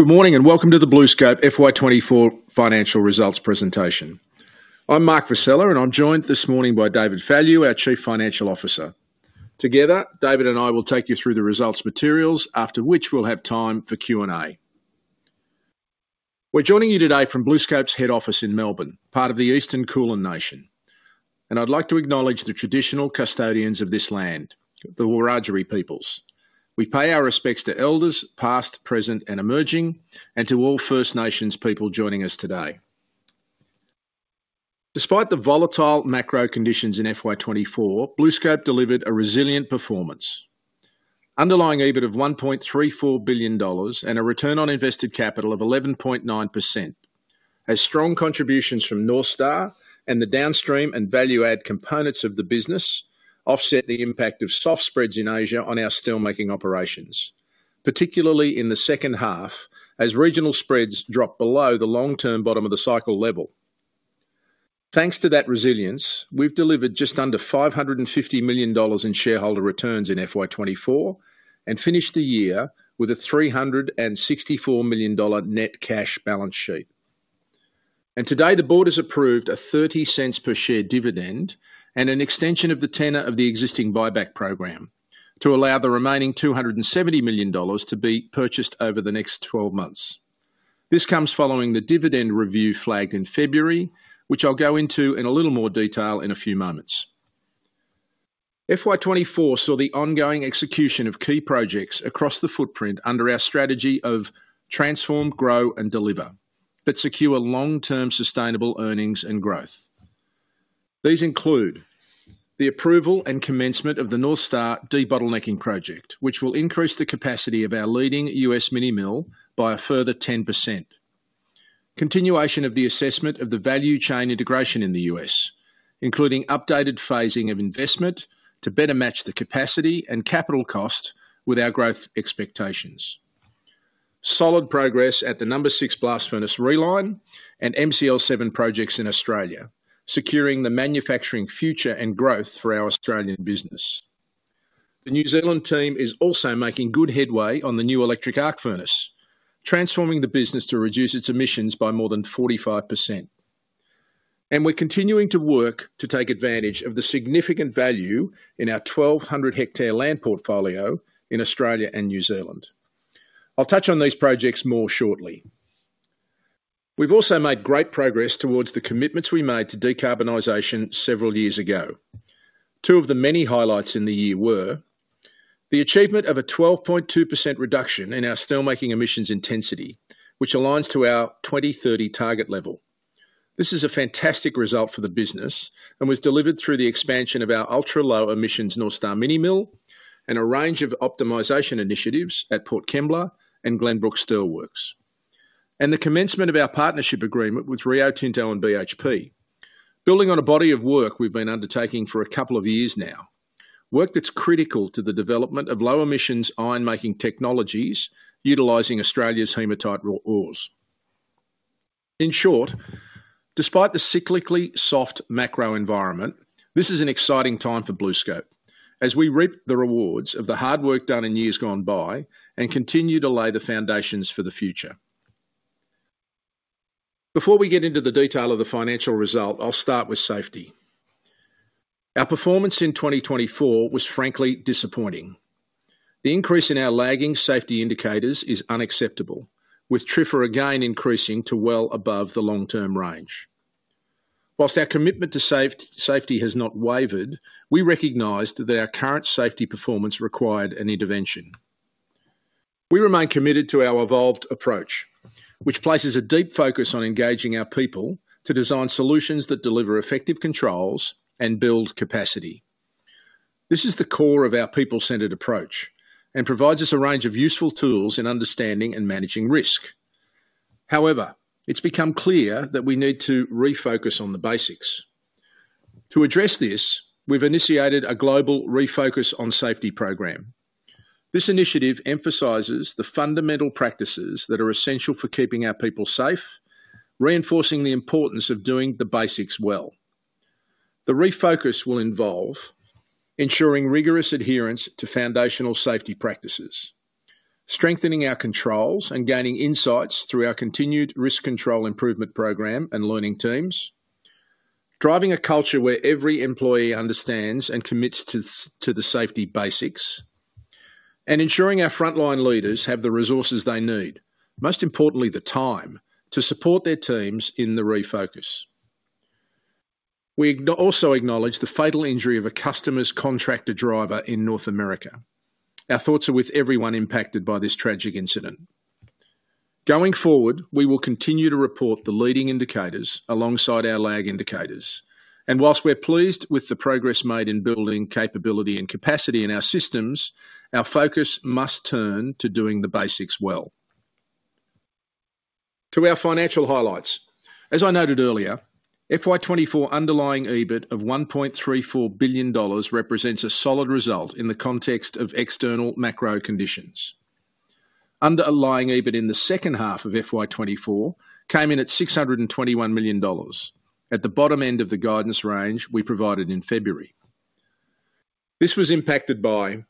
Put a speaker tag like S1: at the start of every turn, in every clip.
S1: Good morning, and welcome to the BlueScope FY twenty-four financial results presentation. I'm Mark Vassella, and I'm joined this morning by David Fallon, our Chief Financial Officer. Together, David and I will take you through the results materials, after which we'll have time for Q&A. We're joining you today from BlueScope's head office in Melbourne, part of the Eastern Kulin Nation, and I'd like to acknowledge the traditional custodians of this land, the Wurundjeri peoples. We pay our respects to elders past, present, and emerging, and to all First Nations people joining us today. Despite the volatile macro conditions in FY twenty-four, BlueScope delivered a resilient performance. Underlying EBIT of 1.34 billion dollars and a return on invested capital of 11.9%. As strong contributions from North Star and the downstream and value-add components of the business offset the impact of soft spreads in Asia on our steelmaking operations, particularly in the second half, as regional spreads dropped below the long-term bottom of the cycle level. Thanks to that resilience, we've delivered just under 550 million dollars in shareholder returns in FY 2024, and finished the year with a 364 million dollar net cash balance sheet. And today, the board has approved a 0.30 per share dividend and an extension of the tenor of the existing buyback program to allow the remaining 270 million dollars to be purchased over the next twelve months. This comes following the dividend review flagged in February, which I'll go into in a little more detail in a few moments. FY 2024 saw the ongoing execution of key projects across the footprint under our strategy of transform, grow, and deliver, that secure long-term sustainable earnings and growth. These include: the approval and commencement of the North Star debottlenecking project, which will increase the capacity of our leading U.S. mini mill by a further 10%. Continuation of the assessment of the value chain integration in the U.S., including updated phasing of investment to better match the capacity and capital cost with our growth expectations. Solid progress at the number 6 Blast Furnace Reline and MCL7 projects in Australia, securing the manufacturing future and growth for our Australian business. The New Zealand team is also making good headway on the new electric arc furnace, transforming the business to reduce its emissions by more than 45%. We're continuing to work to take advantage of the significant value in our 1,200-hectare land portfolio in Australia and New Zealand. I'll touch on these projects more shortly. We've also made great progress towards the commitments we made to decarbonization several years ago. Two of the many highlights in the year were the achievement of a 12.2% reduction in our steelmaking emissions intensity, which aligns to our 2030 target level. This is a fantastic result for the business and was delivered through the expansion of our ultra-low emissions North Star mini mill and a range of optimization initiatives at Port Kembla and Glenbrook Steelworks. The commencement of our partnership agreement with Rio Tinto and BHP. Building on a body of work we've been undertaking for a couple of years now, work that's critical to the development of low-emissions iron-making technologies utilizing Australia's hematite raw ores. In short, despite the cyclically soft macro environment, this is an exciting time for BlueScope as we reap the rewards of the hard work done in years gone by and continue to lay the foundations for the future. Before we get into the detail of the financial result, I'll start with safety. Our performance in twenty twenty-four was frankly disappointing. The increase in our lagging safety indicators is unacceptable, with TRIR for the year again increasing to well above the long-term range. While our commitment to safety has not wavered, we recognized that our current safety performance required an intervention. We remain committed to our evolved approach, which places a deep focus on engaging our people to design solutions that deliver effective controls and build capacity. This is the core of our people-centered approach and provides us a range of useful tools in understanding and managing risk. However, it's become clear that we need to refocus on the basics. To address this, we've initiated a global Refocus on Safety program. This initiative emphasizes the fundamental practices that are essential for keeping our people safe, reinforcing the importance of doing the basics well. The refocus will involve ensuring rigorous adherence to foundational safety practices, strengthening our controls, and gaining insights through our continued Risk Control Improvement program and learning teams, driving a culture where every employee understands and commits to the safety basics, and ensuring our frontline leaders have the resources they need, most importantly, the time, to support their teams in the refocus. We also acknowledge the fatal injury of a customer's contractor driver in North America. Our thoughts are with everyone impacted by this tragic incident. Going forward, we will continue to report the leading indicators alongside our lag indicators, and whilst we're pleased with the progress made in building capability and capacity in our systems, our focus must turn to doing the basics well. To our financial highlights. As I noted earlier, FY 2024 underlying EBIT of AUD 1.34 billion represents a solid result in the context of external macro conditions. Underlying EBIT in the second half of FY 2024 came in at 621 million dollars, at the bottom end of the guidance range we provided in February. This was impacted by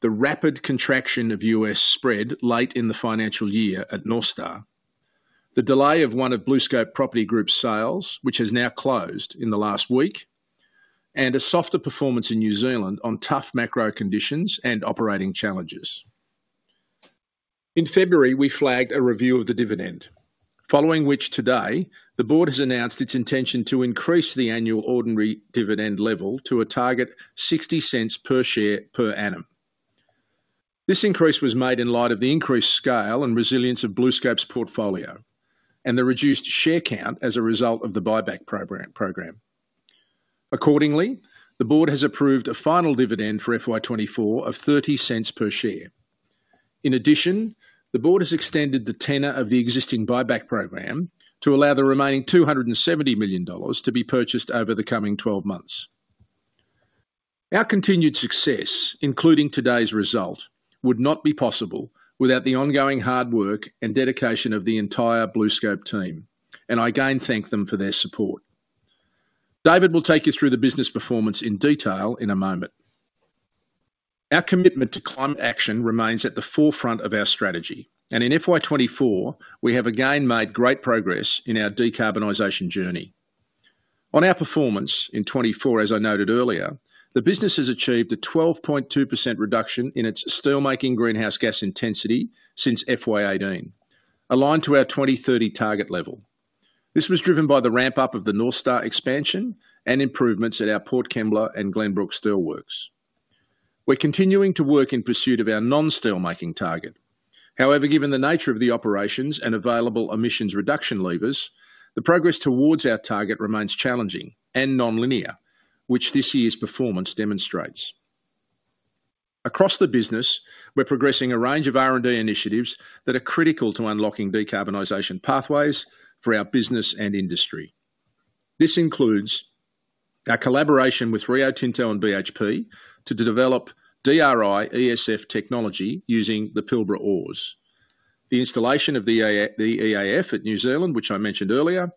S1: the rapid contraction of U.S. spread late in the financial year at North Star, the delay of one of BlueScope Properties Group's sales, which has now closed in the last week, and a softer performance in New Zealand on tough macro conditions and operating challenges. In February, we flagged a review of the dividend, following which today, the board has announced its intention to increase the annual ordinary dividend level to a target 0.60 per share per annum. This increase was made in light of the increased scale and resilience of BlueScope's portfolio and the reduced share count as a result of the buyback program. Accordingly, the board has approved a final dividend for FY 2024 of 0.30 per share. In addition, the board has extended the tenor of the existing buyback program to allow the remaining 270 million dollars to be purchased over the coming twelve months. Our continued success, including today's result, would not be possible without the ongoing hard work and dedication of the entire BlueScope team, and I again thank them for their support. David will take you through the business performance in detail in a moment. Our commitment to climate action remains at the forefront of our strategy, and in FY 2024, we have again made great progress in our decarbonization journey. On our performance in 2024, as I noted earlier, the business has achieved a 12.2% reduction in its steelmaking greenhouse gas intensity since FY 2018, aligned to our 2030 target level. This was driven by the ramp-up of the North Star expansion and improvements at our Port Kembla and Glenbrook Steelworks. We're continuing to work in pursuit of our non-steel making target. However, given the nature of the operations and available emissions reduction levers, the progress towards our target remains challenging and nonlinear, which this year's performance demonstrates. Across the business, we're progressing a range of R&D initiatives that are critical to unlocking decarbonization pathways for our business and industry. This includes our collaboration with Rio Tinto and BHP to develop DRI ESF technology using the Pilbara ores, the installation of the EAF at New Zealand, which I mentioned earlier,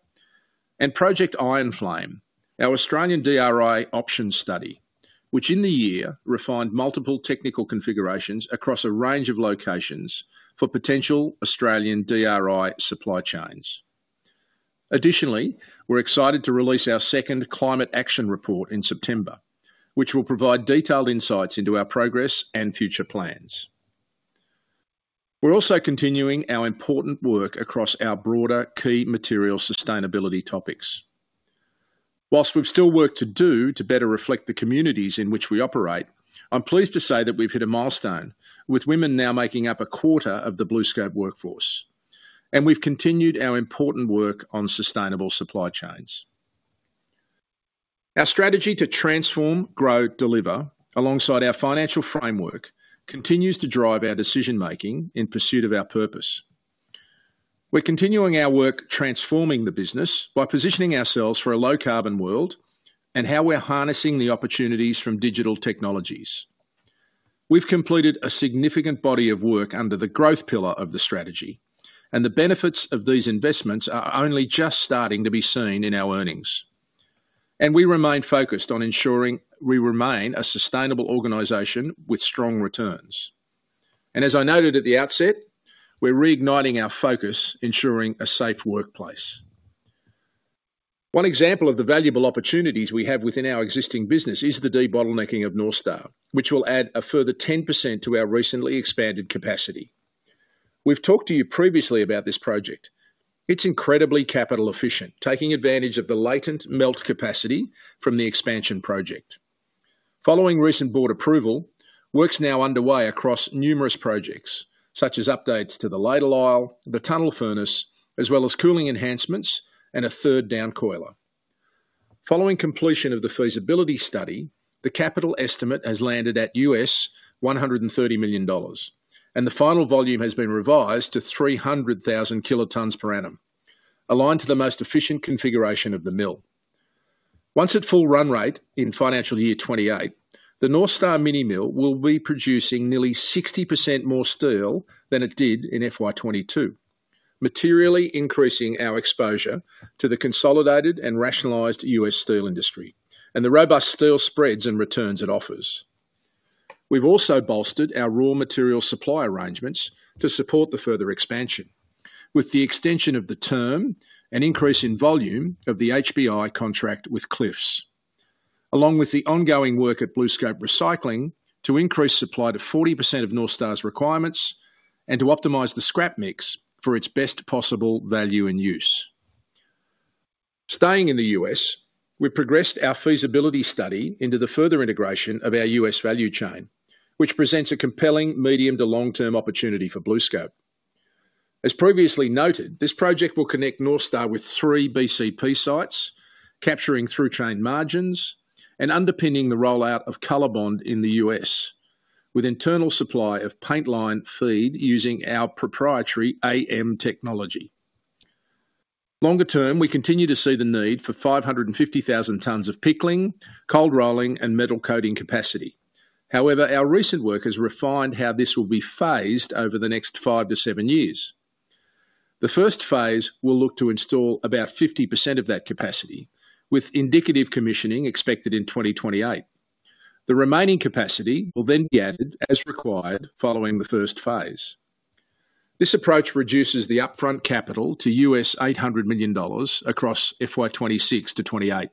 S1: and Project Ironmaking, our Australian DRI option study, which in the year refined multiple technical configurations across a range of locations for potential Australian DRI supply chains. Additionally, we're excited to release our second Climate Action Report in September, which will provide detailed insights into our progress and future plans. We're also continuing our important work across our broader key material sustainability topics. While we've still work to do to better reflect the communities in which we operate, I'm pleased to say that we've hit a milestone, with women now making up a quarter of the BlueScope workforce, and we've continued our important work on sustainable supply chains. Our strategy to transform, grow, deliver, alongside our financial framework, continues to drive our decision-making in pursuit of our purpose. We're continuing our work transforming the business by positioning ourselves for a low-carbon world and how we're harnessing the opportunities from digital technologies. We've completed a significant body of work under the growth pillar of the strategy, and the benefits of these investments are only just starting to be seen in our earnings, and we remain focused on ensuring we remain a sustainable organization with strong returns, and as I noted at the outset, we're reigniting our focus, ensuring a safe workplace. One example of the valuable opportunities we have within our existing business is the debottlenecking of North Star, which will add a further 10% to our recently expanded capacity. We've talked to you previously about this project. It's incredibly capital efficient, taking advantage of the latent melt capacity from the expansion project. Following recent board approval, work's now underway across numerous projects, such as updates to the ladle aisle, the tunnel furnace, as well as cooling enhancements and a third downcoiler. Following completion of the feasibility study, the capital estimate has landed at $130 million, and the final volume has been revised to 300,000 tons per annum, aligned to the most efficient configuration of the mill. Once at full run rate in financial year 2028, the North Star mini mill will be producing nearly 60% more steel than it did in FY 2022, materially increasing our exposure to the consolidated and rationalized U.S. steel industry and the robust steel spreads and returns it offers. We've also bolstered our raw material supply arrangements to support the further expansion, with the extension of the term and increase in volume of the HBI contract with Cliffs, along with the ongoing work at BlueScope Recycling to increase supply to 40% of North Star's requirements and to optimize the scrap mix for its best possible value and use. Staying in the US, we've progressed our feasibility study into the further integration of our US value chain, which presents a compelling medium to long-term opportunity for BlueScope. As previously noted, this project will connect North Star with three BCP sites, capturing through-chain margins and underpinning the rollout of COLORBOND in the US, with internal supply of paint line feed using our proprietary AM technology. Longer term, we continue to see the need for 550,000 tons of pickling, cold rolling, and metal coating capacity. However, our recent work has refined how this will be phased over the next five to seven years. The first phase will look to install about 50% of that capacity, with indicative commissioning expected in 2028. The remaining capacity will then be added as required following the first phase. This approach reduces the upfront capital to $800 million across FY 2026-2028.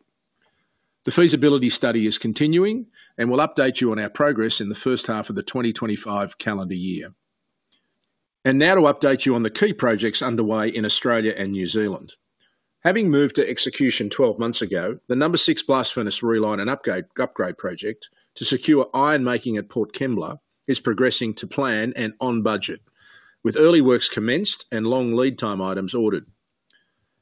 S1: The feasibility study is continuing, and we'll update you on our progress in the first half of the 2025 calendar year. Now to update you on the key projects underway in Australia and New Zealand. Having moved to execution 12 months ago, the No. 6 Blast Furnace Reline and Upgrade Project to secure iron-making at Port Kembla is progressing to plan and on budget, with early works commenced and long lead time items ordered.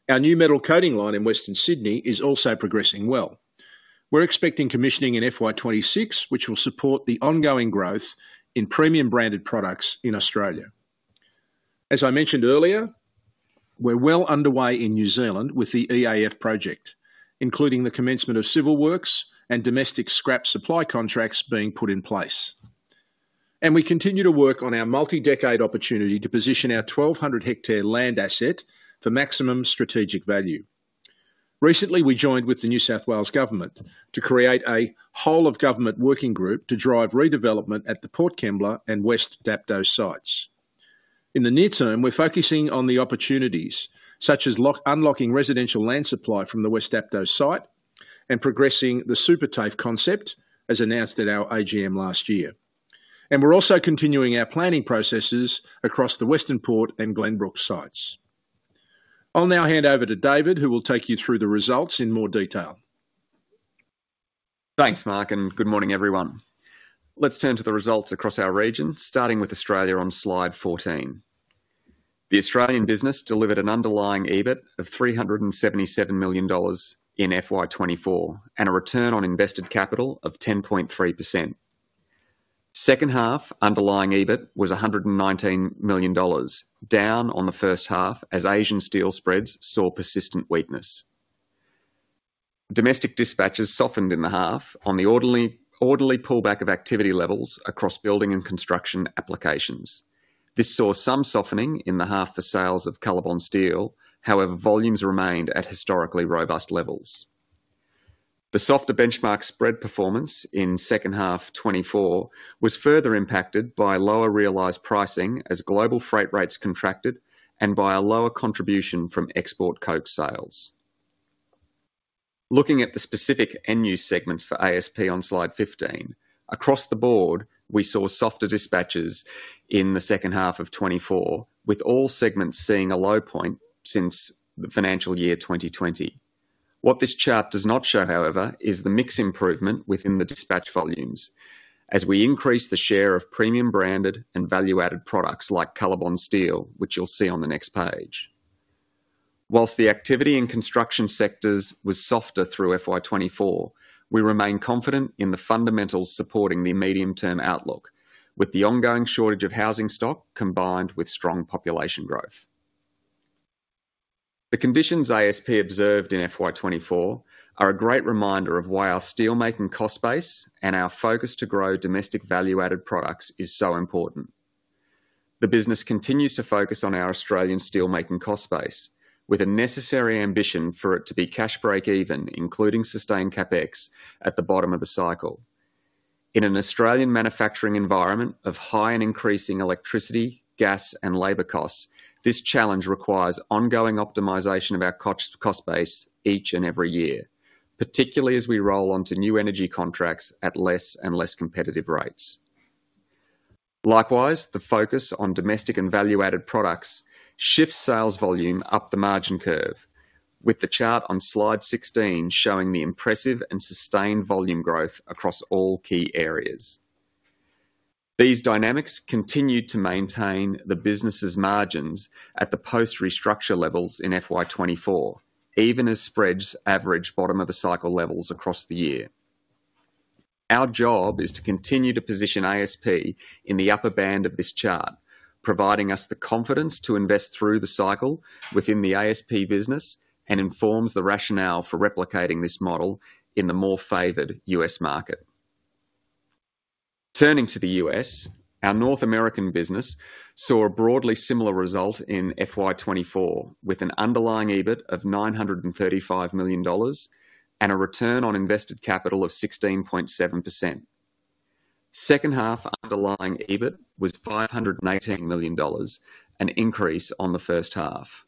S1: Our new metal coating line in Western Sydney is also progressing well. We're expecting commissioning in FY 2026, which will support the ongoing growth in premium branded products in Australia. As I mentioned earlier, we're well underway in New Zealand with the EAF project, including the commencement of civil works and domestic scrap supply contracts being put in place. We continue to work on our multi-decade opportunity to position our 1,200 hectare land asset for maximum strategic value. Recently, we joined with the New South Wales government to create a whole-of-government working group to drive redevelopment at the Port Kembla and West Dapto sites. In the near term, we're focusing on the opportunities such as unlocking residential land supply from the West Dapto site and progressing the Super TAFE concept, as announced at our AGM last year. We're also continuing our planning processes across the Western Port and Glenbrook sites. I'll now hand over to David, who will take you through the results in more detail.
S2: Thanks, Mark, and good morning, everyone. Let's turn to the results across our region, starting with Australia on slide 14. The Australian business delivered an underlying EBIT of 377 million dollars in FY 2024, and a return on invested capital of 10.3%. Second half underlying EBIT was 119 million dollars, down on the first half as Asian steel spreads saw persistent weakness. Domestic dispatches softened in the half on the orderly pullback of activity levels across building and construction applications. This saw some softening in the half for sales of COLORBOND steel. However, volumes remained at historically robust levels. The softer benchmark spread performance in second half 2024 was further impacted by lower realized pricing as global freight rates contracted and by a lower contribution from export coke sales. Looking at the specific end-use segments for ASP on Slide 15, across the board, we saw softer dispatches in the second half of 2024, with all segments seeing a low point since the financial year 2020. What this chart does not show, however, is the mix improvement within the dispatch volumes as we increase the share of premium branded and value-added products like COLORBOND steel, which you'll see on the next page. While the activity in construction sectors was softer through FY 2024, we remain confident in the fundamentals supporting the medium-term outlook, with the ongoing shortage of housing stock combined with strong population growth. The conditions ASP observed in FY 2024 are a great reminder of why our steelmaking cost base and our focus to grow domestic value-added products is so important. The business continues to focus on our Australian steelmaking cost base, with a necessary ambition for it to be cash breakeven, including sustained CapEx at the bottom of the cycle. In an Australian manufacturing environment of high and increasing electricity, gas, and labor costs, this challenge requires ongoing optimization of our costs, cost base each and every year, particularly as we roll on to new energy contracts at less and less competitive rates. Likewise, the focus on domestic and value-added products shifts sales volume up the margin curve, with the chart on Slide 16 showing the impressive and sustained volume growth across all key areas. These dynamics continued to maintain the business's margins at the post-restructure levels in FY 2024, even as spreads average bottom-of-the-cycle levels across the year. Our job is to continue to position ASP in the upper band of this chart, providing us the confidence to invest through the cycle within the ASP business and informs the rationale for replicating this model in the more favored US market. Turning to the US, our North American business saw a broadly similar result in FY 2024, with an underlying EBIT of $935 million and a return on invested capital of 16.7%. Second half underlying EBIT was $518 million, an increase on the first half.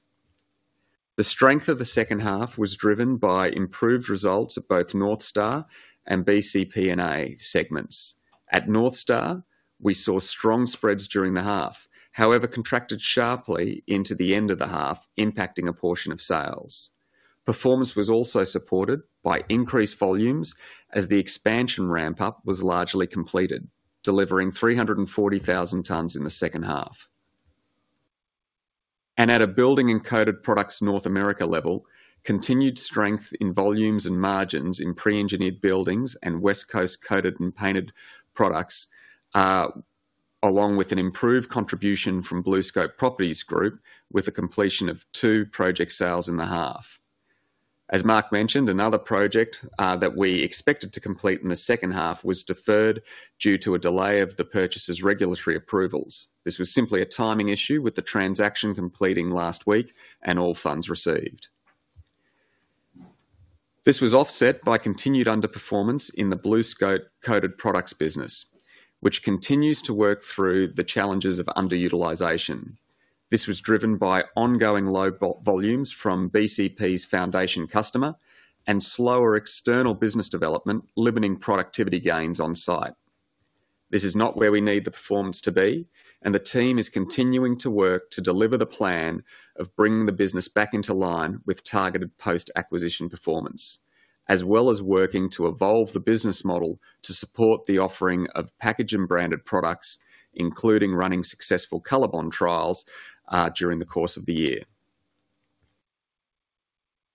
S2: The strength of the second half was driven by improved results at both North Star and BCPNA segments. At North Star, we saw strong spreads during the half, however, contracted sharply into the end of the half, impacting a portion of sales. Performance was also supported by increased volumes as the expansion ramp-up was largely completed, delivering 340,000 tons in the second half, and at a Buildings and Coated Products North America level, continued strength in volumes and margins in pre-engineered buildings and West Coast Coated and Painted Products, along with an improved contribution from BlueScope Properties Group, with the completion of two project sales in the half. As Mark mentioned, another project that we expected to complete in the second half was deferred due to a delay of the purchaser's regulatory approvals. This was simply a timing issue, with the transaction completing last week and all funds received. This was offset by continued underperformance in the BlueScope Coated Products business, which continues to work through the challenges of underutilization. This was driven by ongoing low volumes from BCP's foundation customer and slower external business development, limiting productivity gains on site. This is not where we need the performance to be, and the team is continuing to work to deliver the plan of bringing the business back into line with targeted post-acquisition performance, as well as working to evolve the business model to support the offering of packaging branded products, including running successful COLORBOND trials during the course of the year.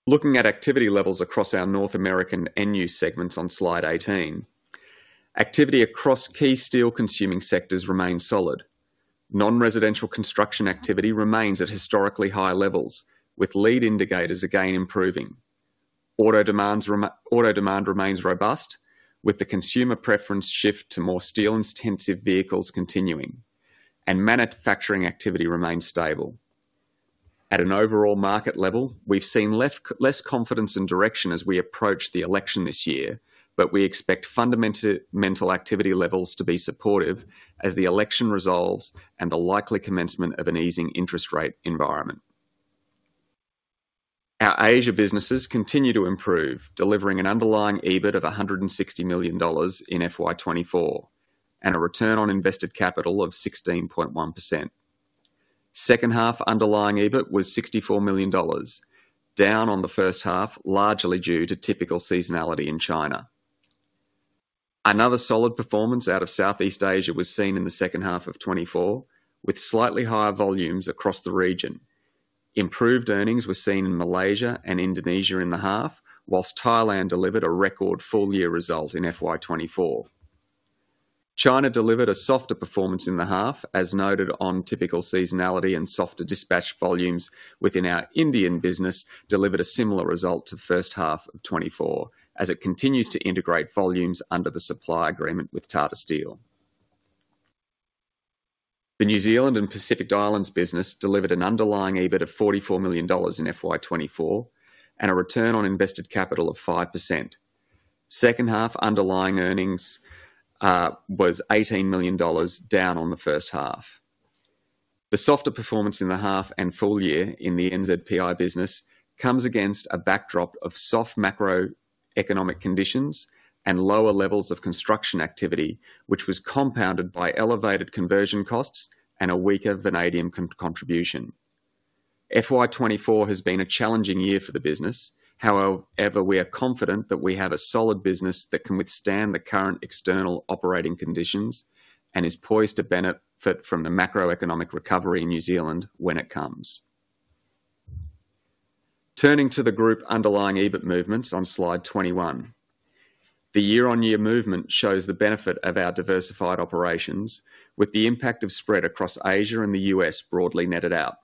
S2: Looking at activity levels across our North American end-use segments on Slide 18. Activity across key steel-consuming sectors remains solid. Non-residential construction activity remains at historically high levels, with lead indicators again improving. Auto demand remains robust, with the consumer preference shift to more steel-intensive vehicles continuing, and manufacturing activity remains stable. At an overall market level, we've seen less confidence and direction as we approach the election this year, but we expect fundamental activity levels to be supportive as the election resolves and the likely commencement of an easing interest rate environment. Our Asia businesses continue to improve, delivering an underlying EBIT of 160 million dollars in FY 2024, and a return on invested capital of 16.1%. Second half underlying EBIT was 64 million dollars, down on the first half, largely due to typical seasonality in China. Another solid performance out of Southeast Asia was seen in the second half of 2024, with slightly higher volumes across the region. Improved earnings were seen in Malaysia and Indonesia in the half, while Thailand delivered a record full-year result in FY 2024. China delivered a softer performance in the half, as noted on typical seasonality and softer dispatch volumes within our Indian business, delivered a similar result to the first half of 2024, as it continues to integrate volumes under the supply agreement with Tata Steel. The New Zealand and Pacific Islands business delivered an underlying EBIT of 44 million dollars in FY 2024, and a return on invested capital of 5%. Second half underlying earnings was 18 million dollars, down on the first half. The softer performance in the half and full year in the NZPI business comes against a backdrop of soft macroeconomic conditions and lower levels of construction activity, which was compounded by elevated conversion costs and a weaker vanadium contribution. FY 2024 has been a challenging year for the business. However, we are confident that we have a solid business that can withstand the current external operating conditions and is poised to benefit from the macroeconomic recovery in New Zealand when it comes. Turning to the group underlying EBIT movements on Slide 21. The year-on-year movement shows the benefit of our diversified operations, with the impact of spread across Asia and the US broadly netted out.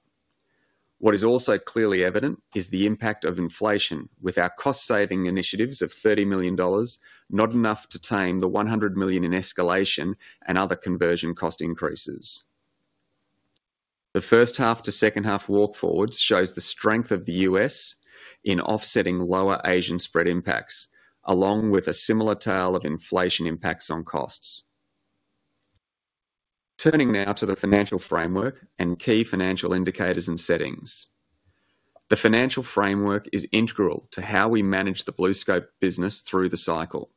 S2: What is also clearly evident is the impact of inflation with our cost-saving initiatives of 30 million dollars, not enough to tame the 100 million in escalation and other conversion cost increases. The first half to second half walk forwards shows the strength of the US in offsetting lower Asian spread impacts, along with a similar tale of inflation impacts on costs. Turning now to the financial framework and key financial indicators and settings. The financial framework is integral to how we manage the BlueScope business through the cycle.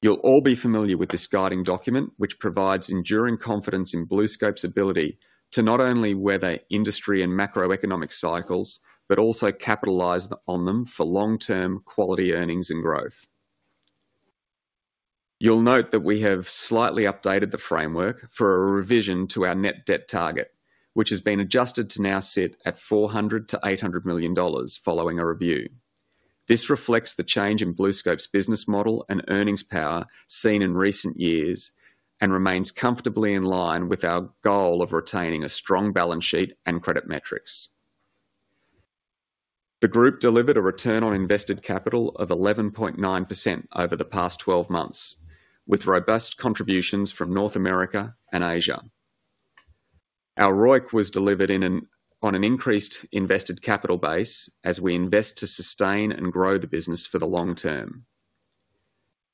S2: You'll all be familiar with this guiding document, which provides enduring confidence in BlueScope's ability to not only weather industry and macroeconomic cycles, but also capitalize on them for long-term quality, earnings, and growth. You'll note that we have slightly updated the framework for a revision to our net debt target, which has been adjusted to now sit at 400 million-800 million dollars following a review. This reflects the change in BlueScope's business model and earnings power seen in recent years, and remains comfortably in line with our goal of retaining a strong balance sheet and credit metrics. The group delivered a return on invested capital of 11.9% over the past 12 months, with robust contributions from North America and Asia. Our ROIC was delivered on an increased invested capital base as we invest to sustain and grow the business for the long term.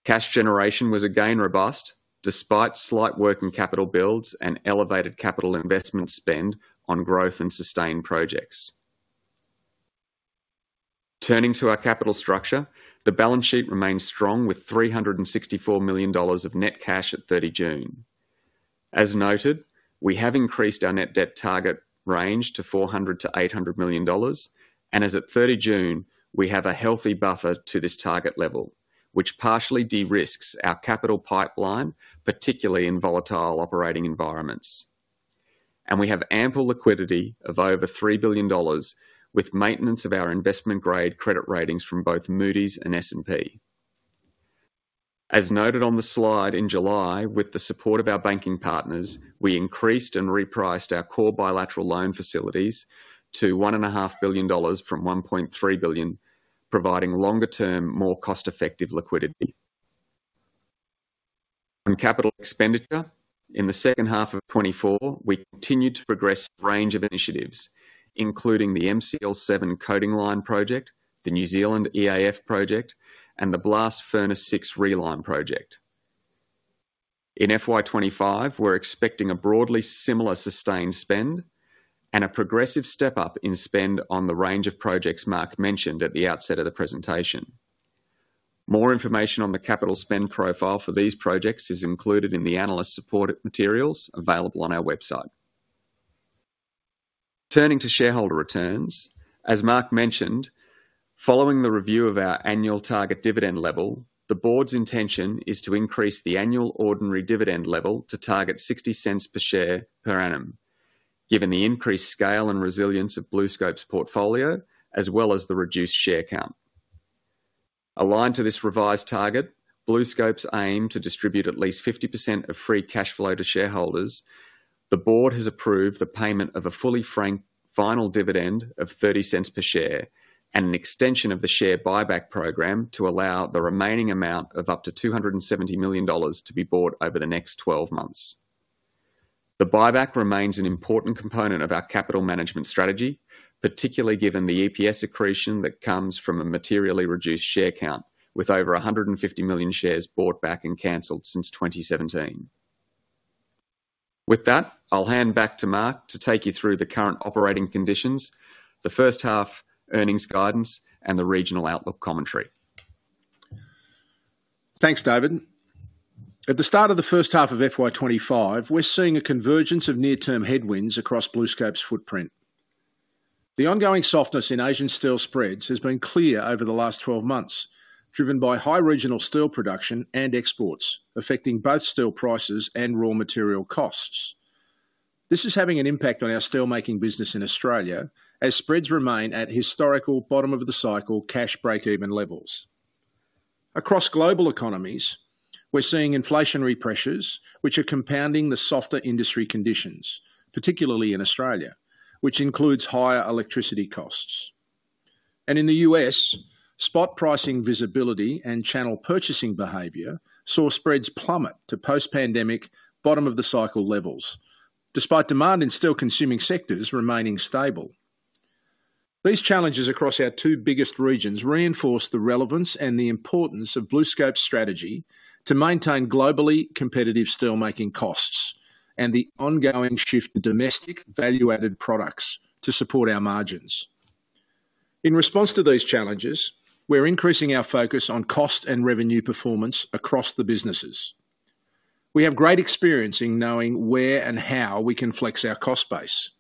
S2: Cash generation was again robust, despite slight working capital builds and elevated capital investment spend on growth and sustained projects. Turning to our capital structure, the balance sheet remains strong, with 364 million dollars of net cash at 30 June. As noted, we have increased our net debt target range to 400 million to 800 million dollars, and as at 30 June, we have a healthy buffer to this target level, which partially de-risks our capital pipeline, particularly in volatile operating environments. We have ample liquidity of over 3 billion dollars, with maintenance of our investment-grade credit ratings from both Moody's and S&P. As noted on the slide, in July, with the support of our banking partners, we increased and repriced our core bilateral loan facilities to 1.5 billion dollars from 1.3 billion, providing longer-term, more cost-effective liquidity. On capital expenditure, in the second half of 2024, we continued to progress a range of initiatives, including the MCL7 coating line project, the New Zealand EAF project, and the Blast Furnace Six reline project. In FY 2025, we're expecting a broadly similar sustained spend and a progressive step-up in spend on the range of projects Mark mentioned at the outset of the presentation. More information on the capital spend profile for these projects is included in the analyst support materials available on our website. Turning to shareholder returns, as Mark mentioned, following the review of our annual target dividend level, the board's intention is to increase the annual ordinary dividend level to target 0.60 per share per annum, given the increased scale and resilience of BlueScope's portfolio, as well as the reduced share count. Aligned to this revised target, BlueScope's aim to distribute at least 50% of free cash flow to shareholders, the board has approved the payment of a fully franked final dividend of 0.30 per share and an extension of the share buyback program to allow the remaining amount of up to 270 million dollars to be bought over the next 12 months. The buyback remains an important component of our capital management strategy, particularly given the EPS accretion that comes from a materially reduced share count, with over 150 million shares bought back and canceled since 2017. With that, I'll hand back to Mark to take you through the current operating conditions, the first half earnings guidance, and the regional outlook commentary.
S1: Thanks, David. At the start of the first half of FY 2025, we're seeing a convergence of near-term headwinds across BlueScope's footprint. The ongoing softness in Asian steel spreads has been clear over the last twelve months, driven by high regional steel production and exports, affecting both steel prices and raw material costs. This is having an impact on our steelmaking business in Australia, as spreads remain at historical bottom-of-the-cycle, cash break-even levels. Across global economies, we're seeing inflationary pressures, which are compounding the softer industry conditions, particularly in Australia, which includes higher electricity costs. In the U.S., spot pricing visibility and channel purchasing behavior saw spreads plummet to post-pandemic bottom-of-the-cycle levels, despite demand in steel consuming sectors remaining stable. These challenges across our two biggest regions reinforce the relevance and the importance of BlueScope's strategy to maintain globally competitive steelmaking costs and the ongoing shift to domestic value-added products to support our margins. In response to these challenges, we're increasing our focus on cost and revenue performance across the businesses. We have great experience in knowing where and how we can flex our cost base.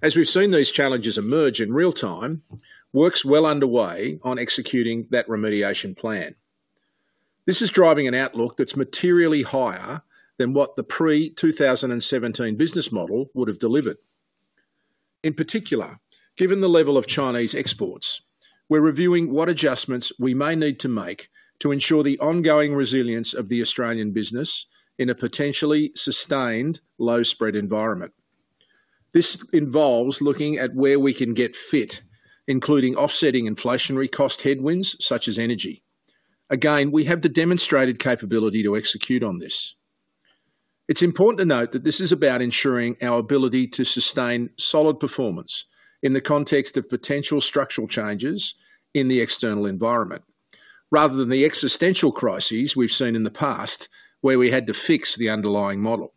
S1: As we've seen these challenges emerge in real time, work's well underway on executing that remediation plan. This is driving an outlook that's materially higher than what the pre-2017 business model would have delivered. In particular, given the level of Chinese exports, we're reviewing what adjustments we may need to make to ensure the ongoing resilience of the Australian business in a potentially sustained, low-spread environment. This involves looking at where we can get fit, including offsetting inflationary cost headwinds, such as energy. Again, we have the demonstrated capability to execute on this. It's important to note that this is about ensuring our ability to sustain solid performance in the context of potential structural changes in the external environment, rather than the existential crises we've seen in the past, where we had to fix the underlying model.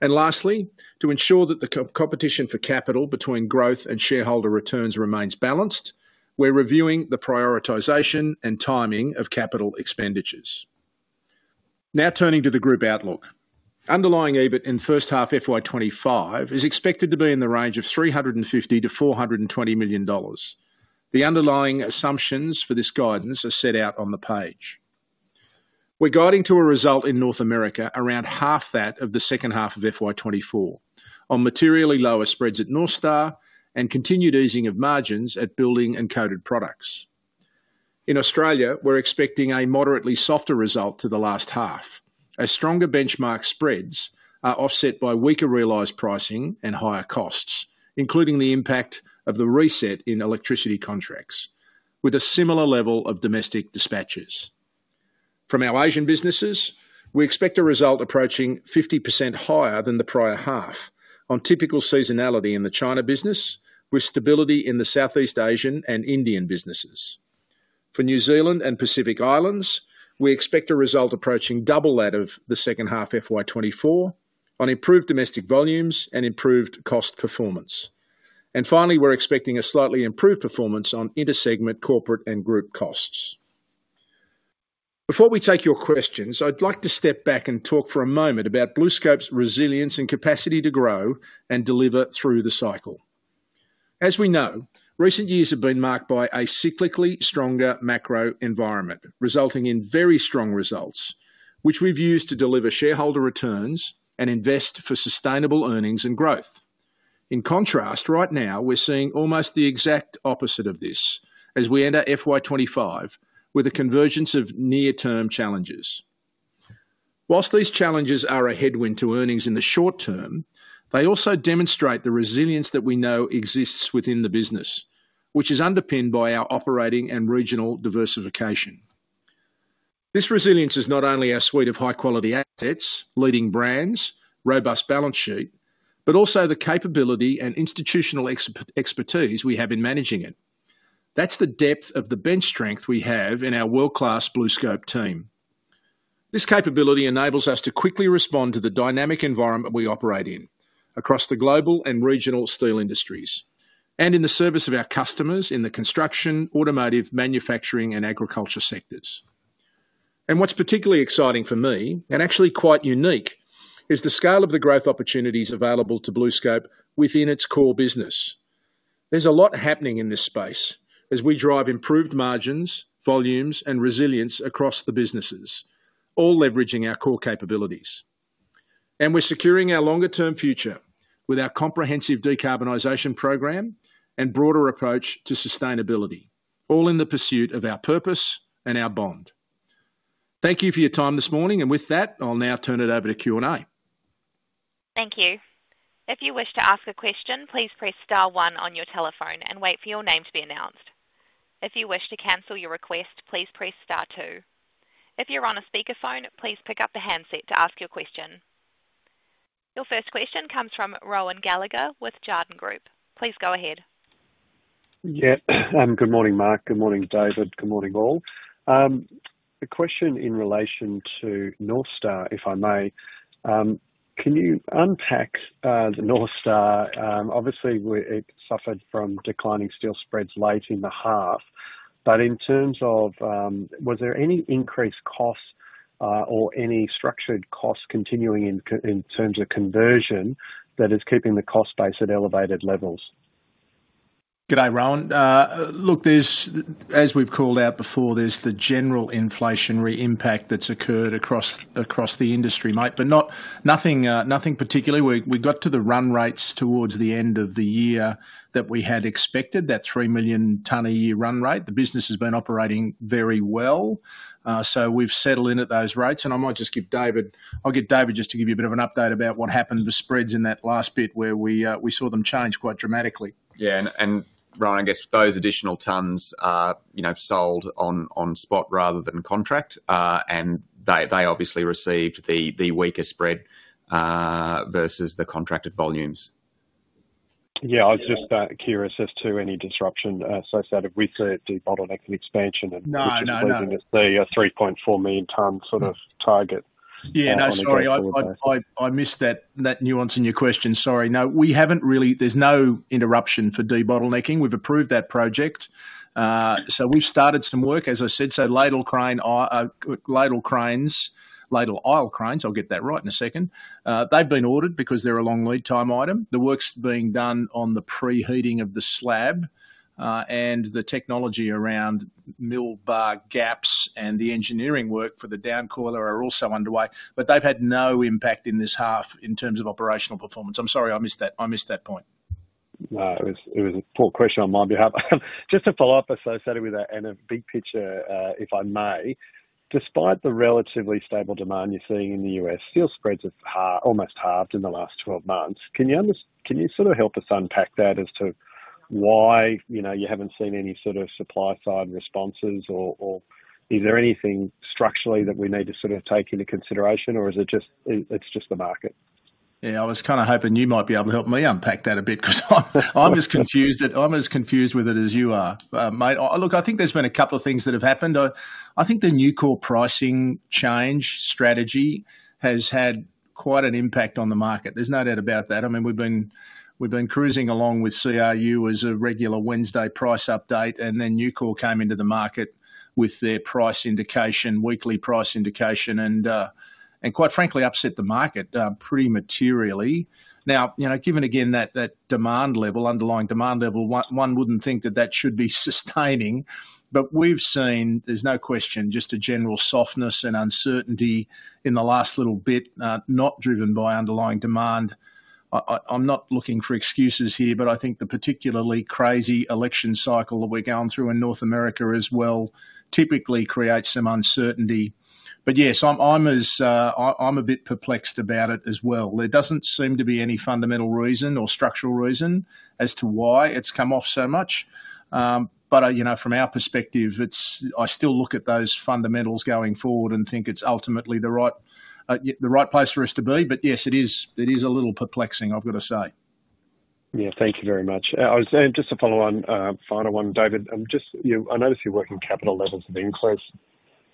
S1: And lastly, to ensure that the co-competition for capital between growth and shareholder returns remains balanced, we're reviewing the prioritization and timing of capital expenditures. Now, turning to the group outlook. Underlying EBIT in the first half of FY 2025 is expected to be in the range of 350 million-420 million dollars. The underlying assumptions for this guidance are set out on the page. We're guiding to a result in North America, around half that of the second half of FY 2024, on materially lower spreads at North Star and continued easing of margins at building and coated products. In Australia, we're expecting a moderately softer result to the last half, as stronger benchmark spreads are offset by weaker realized pricing and higher costs, including the impact of the reset in electricity contracts, with a similar level of domestic dispatches. From our Asian businesses, we expect a result approaching 50% higher than the prior half on typical seasonality in the China business, with stability in the Southeast Asian and Indian businesses. For New Zealand and Pacific Islands, we expect a result approaching double that of the second half FY 2024 on improved domestic volumes and improved cost performance. And finally, we're expecting a slightly improved performance on inter-segment corporate and group costs. Before we take your questions, I'd like to step back and talk for a moment about BlueScope's resilience and capacity to grow and deliver through the cycle. As we know, recent years have been marked by a cyclically stronger macro environment, resulting in very strong results, which we've used to deliver shareholder returns and invest for sustainable earnings and growth.... In contrast, right now, we're seeing almost the exact opposite of this as we enter FY twenty-five with a convergence of near-term challenges. Whilst these challenges are a headwind to earnings in the short term, they also demonstrate the resilience that we know exists within the business, which is underpinned by our operating and regional diversification. This resilience is not only our suite of high-quality assets, leading brands, robust balance sheet, but also the capability and institutional expertise we have in managing it. That's the depth of the bench strength we have in our world-class BlueScope team. This capability enables us to quickly respond to the dynamic environment we operate in, across the global and regional steel industries, and in the service of our customers in the construction, automotive, manufacturing, and agriculture sectors, and what's particularly exciting for me, and actually quite unique, is the scale of the growth opportunities available to BlueScope within its core business. There's a lot happening in this space as we drive improved margins, volumes, and resilience across the businesses, all leveraging our core capabilities, and we're securing our longer-term future with our comprehensive decarbonization program and broader approach to sustainability, all in the pursuit of our purpose and our bond. Thank you for your time this morning, and with that, I'll now turn it over to Q&A.
S3: Thank you. If you wish to ask a question, please press star one on your telephone and wait for your name to be announced. If you wish to cancel your request, please press star two. If you're on a speakerphone, please pick up the handset to ask your question. Your first question comes from Rohan Gallagher with Jarden Group. Please go ahead.
S4: Yeah. Good morning, Mark. Good morning, David. Good morning, all. A question in relation to North Star, if I may. Can you unpack the North Star? Obviously, we, it suffered from declining steel spreads late in the half, but in terms of, was there any increased costs or any structured costs continuing in terms of conversion that is keeping the cost base at elevated levels?
S1: Good day, Rohan. Look, as we've called out before, there's the general inflationary impact that's occurred across the industry, mate, but nothing particular. We got to the run rates towards the end of the year that we had expected, that three million ton a year run rate. The business has been operating very well, so we've settled in at those rates, and I might just give David... I'll get David just to give you a bit of an update about what happened to the spreads in that last bit where we saw them change quite dramatically.
S2: Yeah, and Rohan, I guess those additional tons are, you know, sold on spot rather than contract, and they obviously received the weaker spread versus the contracted volumes.
S4: Yeah, I was just curious as to any disruption associated with the bottleneck and expansion?
S1: No, no, no.
S4: The 3.4 million ton sort of target.
S1: Yeah, no, sorry, I missed that nuance in your question. Sorry. No, we haven't really, there's no interruption for debottlenecking. We've approved that project. So we've started some work, as I said. So ladle crane, ladle cranes, ladle aisle cranes, I'll get that right in a second. They've been ordered because they're a long lead time item. The work's being done on the preheating of the slab, and the technology around mill bar gaps and the engineering work for the downcoiler are also underway, but they've had no impact in this half in terms of operational performance. I'm sorry, I missed that point.
S4: No, it was a poor question on my behalf. Just to follow up, associated with that, and a big picture, if I may. Despite the relatively stable demand you're seeing in the US, steel spreads have almost halved in the last 12 months. Can you sort of help us unpack that as to why, you know, you haven't seen any sort of supply-side responses or, or is there anything structurally that we need to sort of take into consideration, or is it just, it's just the market?
S1: Yeah, I was kind of hoping you might be able to help me unpack that a bit, 'cause I'm just confused, I'm as confused with it as you are. Mate, look, I think there's been a couple of things that have happened. I think the Nucor pricing change strategy has had quite an impact on the market. There's no doubt about that. I mean, we've been cruising along with CRU as a regular Wednesday price update, and then Nucor came into the market with their price indication, weekly price indication, and quite frankly, upset the market pretty materially. Now, you know, given again, that demand level, underlying demand level, one wouldn't think that that should be sustaining, but we've seen, there's no question, just a general softness and uncertainty in the last little bit, not driven by underlying demand. I'm not looking for excuses here, but I think the particularly crazy election cycle that we're going through in North America as well typically creates some uncertainty. But yes, I'm as, I'm a bit perplexed about it as well. There doesn't seem to be any fundamental reason or structural reason as to why it's come off so much. But you know, from our perspective, it's. I still look at those fundamentals going forward and think it's ultimately the right place for us to be. But yes, it is a little perplexing, I've got to say.
S4: Yeah. Thank you very much. I was just to follow on, final one, David, just, you, I noticed your working capital levels have increased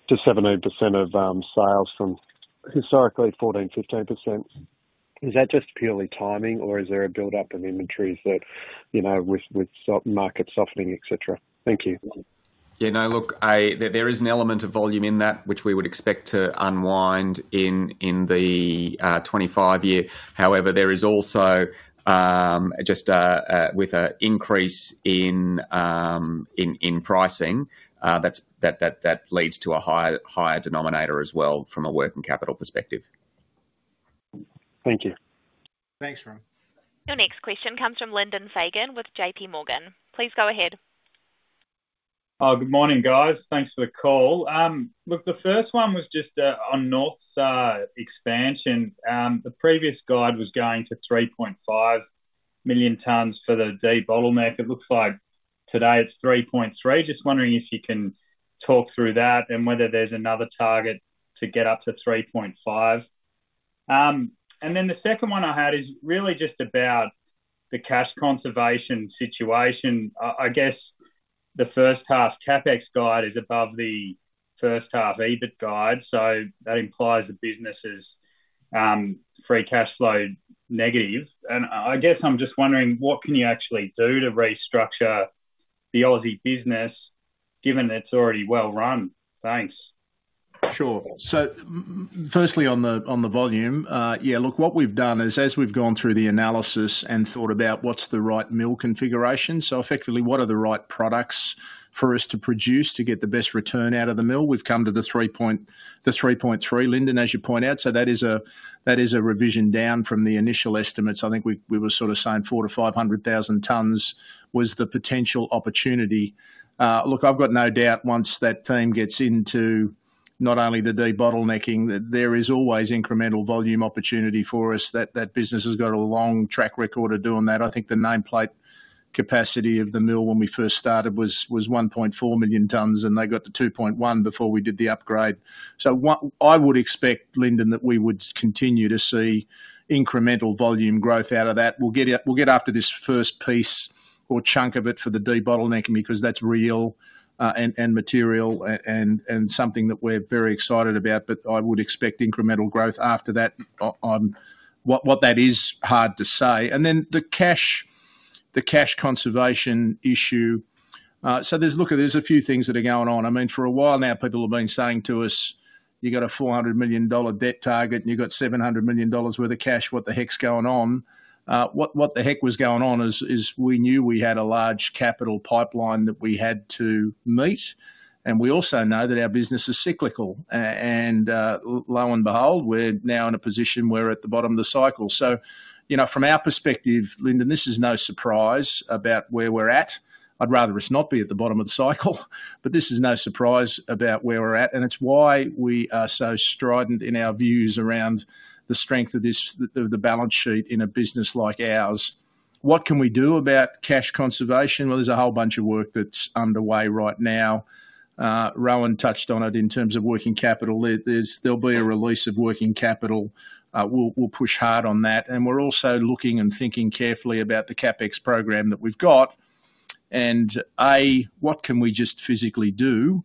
S4: to 17% of sales from historically 14%-15%. Is that just purely timing, or is there a buildup of inventories that, you know, with stock market softening, et cetera? Thank you.
S2: Yeah, no, look, there is an element of volume in that, which we would expect to unwind in the 2025 year. However, there is also just with an increase in pricing that leads to a higher denominator as well from a working capital perspective....
S4: Thank you.
S1: Thanks, Rohan.
S3: Your next question comes from Lyndon Fagan with J.P Morgan. Please go ahead.
S5: Good morning, guys. Thanks for the call. Look, the first one was just on North expansion. The previous guide was going to three point five million tons for the debottleneck. It looks like today it's three point three. Just wondering if you can talk through that and whether there's another target to get up to three point five. And then the second one I had is really just about the cash conservation situation. I guess the first half CapEx guide is above the first half EBIT guide, so that implies the business is free cash flow negative. And I guess I'm just wondering, what can you actually do to restructure the Aussie business, given that it's already well run? Thanks.
S1: Sure. So firstly, on the volume, yeah, look, what we've done is, as we've gone through the analysis and thought about what's the right mill configuration, so effectively, what are the right products for us to produce to get the best return out of the mill? We've come to the 3.3, Lyndon, as you point out, so that is a revision down from the initial estimates. I think we were sort of saying 400,000-500,000 tons was the potential opportunity. Look, I've got no doubt once that team gets into not only the debottlenecking, that there is always incremental volume opportunity for us, that business has got a long track record of doing that. I think the nameplate capacity of the mill when we first started was 1.4 million tons, and they got to 2.1 before we did the upgrade. So I would expect, Lyndon, that we would continue to see incremental volume growth out of that. We'll get it, we'll get after this first piece or chunk of it for the debottlenecking, because that's real and material and something that we're very excited about, but I would expect incremental growth after that. What that is, hard to say. And then the cash conservation issue. So there's a few things that are going on. I mean, for a while now, people have been saying to us, "You got a 400 million dollar debt target and you've got 700 million dollars worth of cash. What the heck's going on?" What the heck was going on is we knew we had a large capital pipeline that we had to meet, and we also know that our business is cyclical. And, lo and behold, we're now in a position where at the bottom of the cycle. So, you know, from our perspective, Lyndon, this is no surprise about where we're at. I'd rather us not be at the bottom of the cycle, but this is no surprise about where we're at, and it's why we are so strident in our views around the strength of this, the balance sheet in a business like ours. What can we do about cash conservation? Well, there's a whole bunch of work that's underway right now. Rohan touched on it in terms of working capital. There'll be a release of working capital. We'll push hard on that, and we're also looking and thinking carefully about the CapEx program that we've got, and what can we just physically do?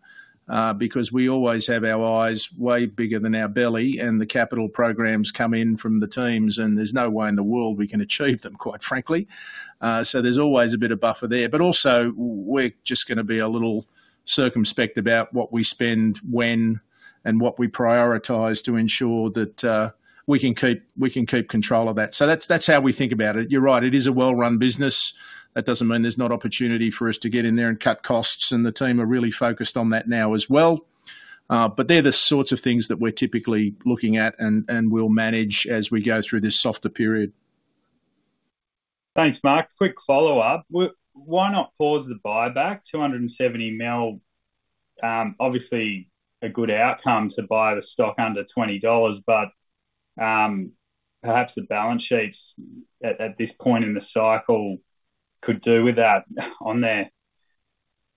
S1: Because we always have our eyes way bigger than our belly, and the capital programs come in from the teams, and there's no way in the world we can achieve them, quite frankly. So there's always a bit of buffer there. But also, we're just gonna be a little circumspect about what we spend, when, and what we prioritize to ensure that we can keep control of that. So that's how we think about it. You're right, it is a well-run business. That doesn't mean there's not opportunity for us to get in there and cut costs, and the team are really focused on that now as well. But they're the sorts of things that we're typically looking at and we'll manage as we go through this softer period.
S5: Thanks, Mark. Quick follow-up. Why not pause the buyback? 270 million, obviously a good outcome to buy the stock under 20 dollars, but perhaps the balance sheets at this point in the cycle could do without on there.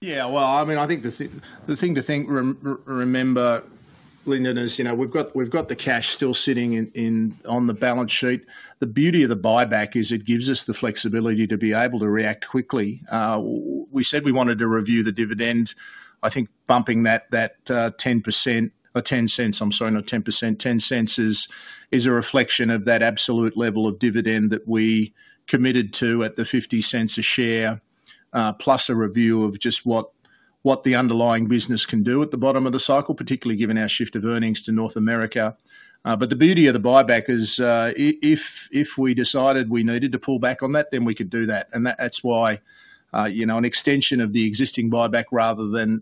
S1: Yeah, well, I mean, I think the thing to think, remember, Lyndon, is, you know, we've got the cash still sitting in on the balance sheet. The beauty of the buyback is it gives us the flexibility to be able to react quickly. We said we wanted to review the dividend. I think bumping that 10% or 0.10, I'm sorry, not 10%, 0.10 is a reflection of that absolute level of dividend that we committed to at the 0.50 a share, plus a review of just what the underlying business can do at the bottom of the cycle, particularly given our shift of earnings to North America. But the beauty of the buyback is, if we decided we needed to pull back on that, then we could do that, and that's why, you know, an extension of the existing buyback rather than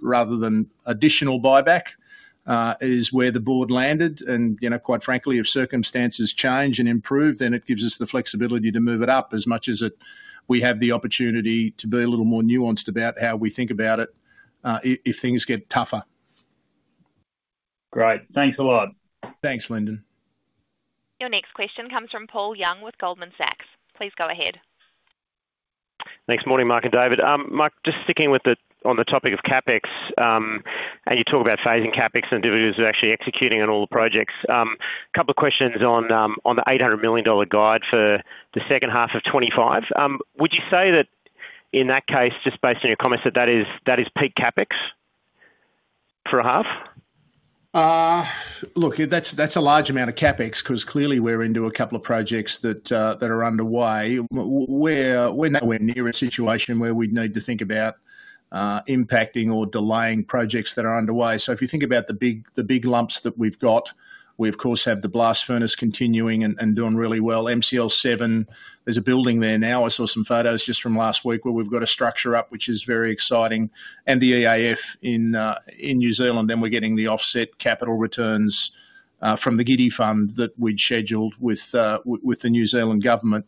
S1: rather than additional buyback is where the board landed and, you know, quite frankly, if circumstances change and improve, then it gives us the flexibility to move it up as much as it... We have the opportunity to be a little more nuanced about how we think about it, if things get tougher.
S5: Great. Thanks a lot.
S1: Thanks, Lyndon.
S3: Your next question comes from Paul Young with Goldman Sachs. Please go ahead.
S6: Thanks. Morning, Mark and David. Mark, just sticking with the, on the topic of CapEx, and you talk about phasing CapEx and dividends are actually executing on all the projects. Couple of questions on, on the 800 million dollar guide for the second half of 2025. Would you say that, in that case, just based on your comments, that that is, that is peak CapEx for a half?
S1: Look, that's a large amount of CapEx, 'cause clearly we're into a couple of projects that are underway. We're nowhere near a situation where we'd need to think about impacting or delaying projects that are underway. So if you think about the big lumps that we've got, we, of course, have the blast furnace continuing and doing really well. MCL7, there's a building there now. I saw some photos just from last week where we've got a structure up, which is very exciting. The EAF in New Zealand, then we're getting the offset capital returns from the GIDI Fund that we'd scheduled with the New Zealand government.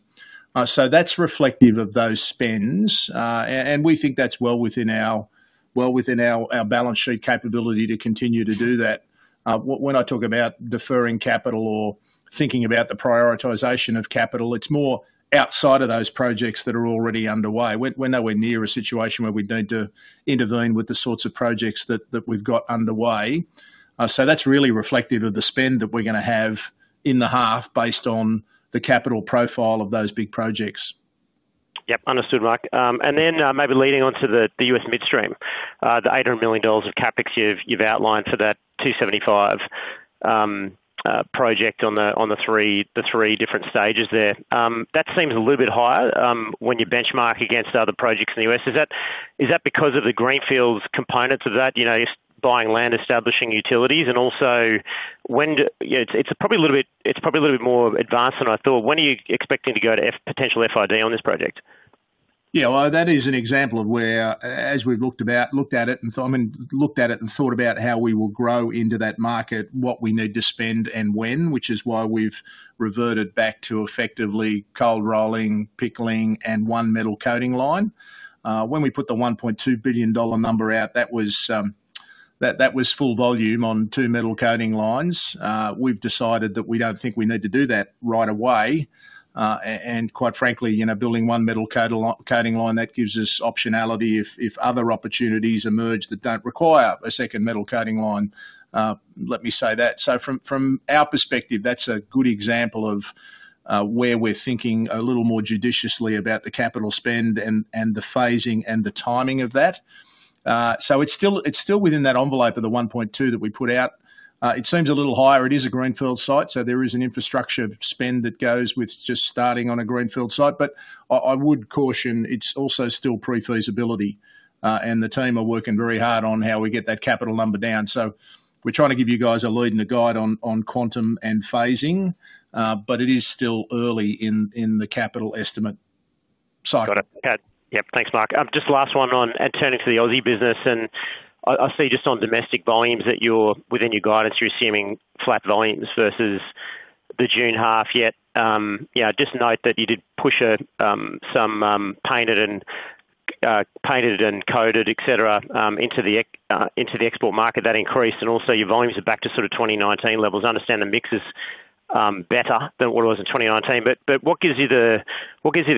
S1: So that's reflective of those spends. And we think that's well within our balance sheet capability to continue to do that. When I talk about deferring capital or thinking about the prioritization of capital, it's more outside of those projects that are already underway. We're nowhere near a situation where we'd need to intervene with the sorts of projects that we've got underway, so that's really reflective of the spend that we're gonna have in the half, based on the capital profile of those big projects.
S6: Yep, understood, Mark. And then, maybe leading on to the US midstream, the $800 million of CapEx you've outlined for that 275 project on the three different stages there. That seems a little bit higher when you benchmark against other projects in the US. Is that because of the greenfield components of that? You know, you're buying land, establishing utilities, and also. Yeah, it's probably a little bit more advanced than I thought. When are you expecting to go to potential FID on this project?
S1: Yeah, well, that is an example of where, as we've looked at it and thought about how we will grow into that market, what we need to spend and when, which is why we've reverted back to effectively cold rolling, pickling, and one metal coating line. When we put the 1.2 billion dollar number out, that was full volume on two metal coating lines. We've decided that we don't think we need to do that right away. Quite frankly, you know, building one metal coating line, that gives us optionality if other opportunities emerge that don't require a second metal coating line. Let me say that. So from our perspective, that's a good example of where we're thinking a little more judiciously about the capital spend and the phasing and the timing of that. So it's still within that envelope of the 1.2 that we put out. It seems a little higher. It is a greenfield site, so there is an infrastructure spend that goes with just starting on a greenfield site. But I would caution, it's also still pre-feasibility, and the team are working very hard on how we get that capital number down. So we're trying to give you guys a lead and a guide on quantum and phasing, but it is still early in the capital estimate cycle.
S6: Got it. Okay. Yep. Thanks, Mark. Just last one on turning to the Aussie business, and I see just on domestic volumes that you're, within your guidance, you're assuming flat volumes versus the June half yet. Yeah, just note that you did push some painted and coated, et cetera, into the export market. That increased, and also your volumes are back to sort of twenty nineteen levels. I understand the mix is better than what it was in twenty nineteen, but what gives you the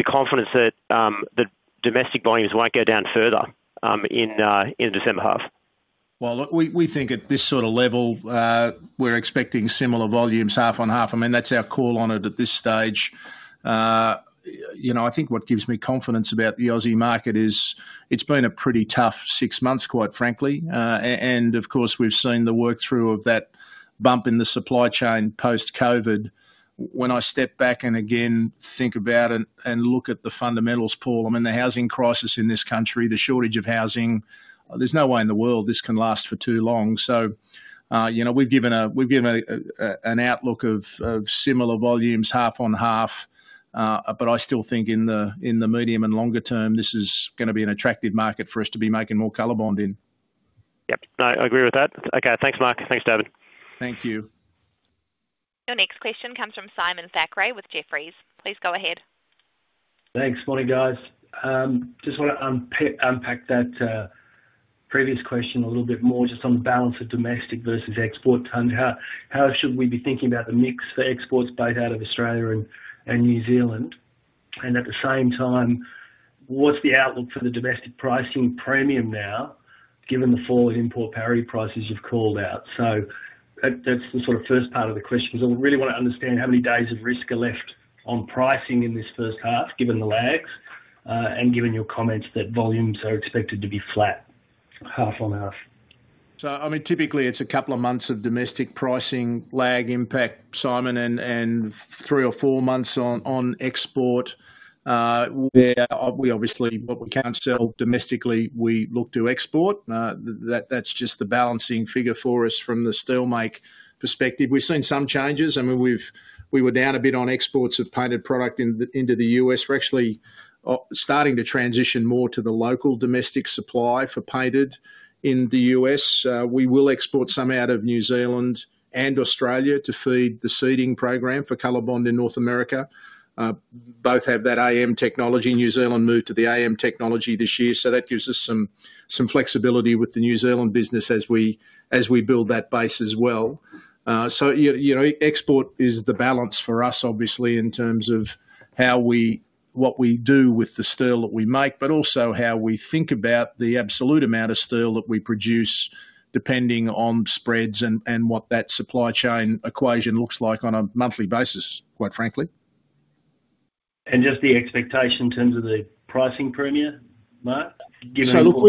S6: confidence that the domestic volumes won't go down further in the December half?
S1: Look, we think at this sort of level, we're expecting similar volumes, half on half. I mean, that's our call on it at this stage. You know, I think what gives me confidence about the Aussie market is it's been a pretty tough six months, quite frankly. And, of course, we've seen the work through of that bump in the supply chain post-COVID. When I step back and again, think about and look at the fundamentals, Paul, I mean, the housing crisis in this country, the shortage of housing, there's no way in the world this can last for too long. You know, we've given an outlook of similar volumes, half on half, but I still think in the medium and longer term, this is gonna be an attractive market for us to be making more COLORBOND in.
S6: Yep. No, I agree with that. Okay, thanks, Mark. Thanks, David.
S1: Thank you.
S3: Your next question comes from Simon Thackray with Jefferies. Please go ahead.
S7: Thanks. Morning, guys. Just wanna unpack that previous question a little bit more, just on the balance of domestic versus export and how should we be thinking about the mix for exports both out of Australia and New Zealand? And at the same time, what's the outlook for the domestic pricing premium now, given the fall in import parity prices you've called out? So that's the sort of first part of the question, because I really wanna understand how many days of risk are left on pricing in this first half, given the lags, and given your comments that volumes are expected to be flat, half on half.
S1: So, I mean, typically it's a couple of months of domestic pricing lag impact, Simon, and three or four months on export. Where we obviously, what we can't sell domestically, we look to export. That's just the balancing figure for us from the steel make perspective. We've seen some changes. I mean, we were down a bit on exports of painted product into the US. We're actually starting to transition more to the local domestic supply for painted in the US. We will export some out of New Zealand and Australia to feed the seeding program for COLORBOND in North America. Both have that AM technology. New Zealand moved to the AM technology this year, so that gives us some flexibility with the New Zealand business as we build that base as well. You know, export is the balance for us, obviously, in terms of what we do with the steel that we make, but also how we think about the absolute amount of steel that we produce, depending on spreads and what that supply chain equation looks like on a monthly basis, quite frankly....
S7: And just the expectation in terms of the pricing premium, Mark, given-
S1: So look,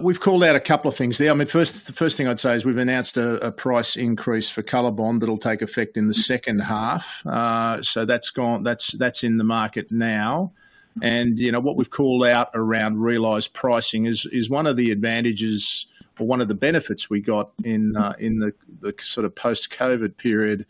S1: we've called out a couple of things there. I mean, first, the first thing I'd say is we've announced a price increase for COLORBOND that'll take effect in the second half. So that's gone, that's in the market now. And, you know, what we've called out around realized pricing is one of the advantages or one of the benefits we got in the sort of post-COVID period,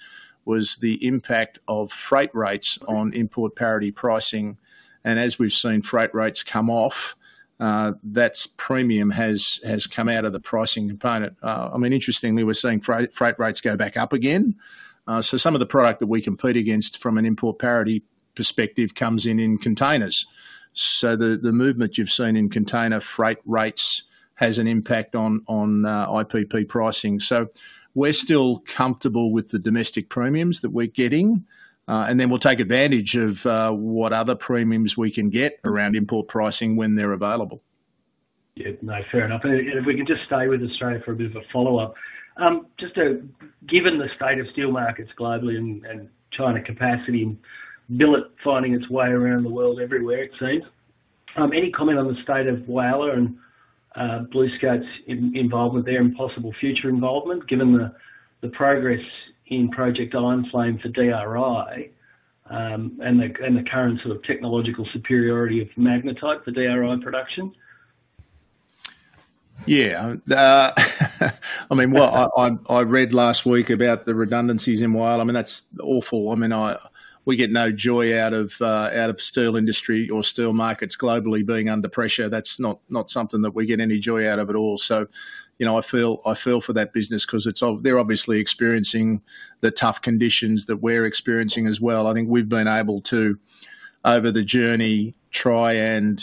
S1: was the impact of freight rates on import parity pricing. And as we've seen freight rates come off, that's premium has come out of the pricing component. I mean, interestingly, we're seeing freight rates go back up again. So some of the product that we compete against from an import parity perspective comes in containers. So the movement you've seen in container freight rates has an impact on IPP pricing. So we're still comfortable with the domestic premiums that we're getting, and then we'll take advantage of what other premiums we can get around import pricing when they're available.
S7: Yeah. No, fair enough. And if we can just stay with Australia for a bit of a follow-up. Just given the state of steel markets globally and China capacity, and metal finding its way around the world everywhere, it seems, any comment on the state of Whyalla and BlueScope's involvement there and possible future involvement, given the progress in Project Ironmaking for DRI, and the current sort of technological superiority of magnetite for DRI production?
S1: Yeah, I mean, well, I read last week about the redundancies in Whyalla. I mean, that's awful. I mean, we get no joy out of the steel industry or steel markets globally being under pressure. That's not something that we get any joy out of at all. So, you know, I feel for that business 'cause it's ob- they're obviously experiencing the tough conditions that we're experiencing as well. I think we've been able to, over the journey, try and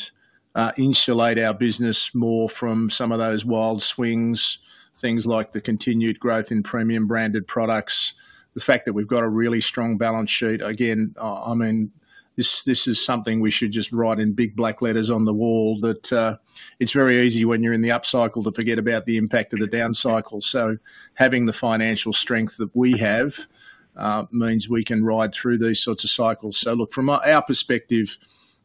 S1: insulate our business more from some of those wild swings, things like the continued growth in premium branded products, the fact that we've got a really strong balance sheet. Again, I mean, this, this is something we should just write in big black letters on the wall, that it's very easy when you're in the upcycle to forget about the impact of the downcycle. So having the financial strength that we have means we can ride through these sorts of cycles. So look, from our perspective,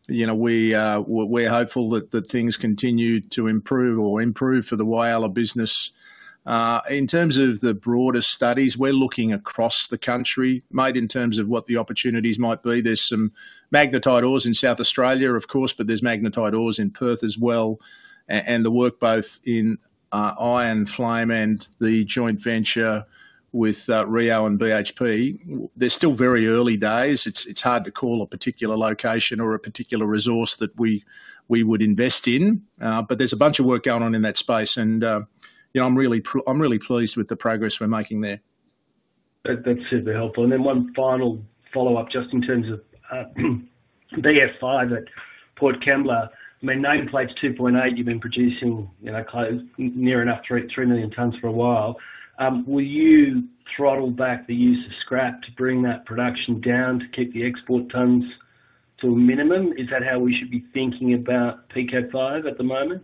S1: you know, we're hopeful that things continue to improve for the Whyalla business. In terms of the broader studies, we're looking across the country, mate, in terms of what the opportunities might be. There's some magnetite ores in South Australia, of course, but there's magnetite ores in Perth as well, and the work both in Iron Flame and the joint venture with Rio and BHP. They're still very early days. It's hard to call a particular location or a particular resource that we would invest in, but there's a bunch of work going on in that space, and you know, I'm really pleased with the progress we're making there.
S7: That, that's super helpful. And then one final follow-up, just in terms of BF5 at Port Kembla. I mean, nameplate's 2.8, you've been producing, you know, close, near enough 3 million tons for a while. Will you throttle back the use of scrap to bring that production down to keep the export tons to a minimum? Is that how we should be thinking about PK5 at the moment?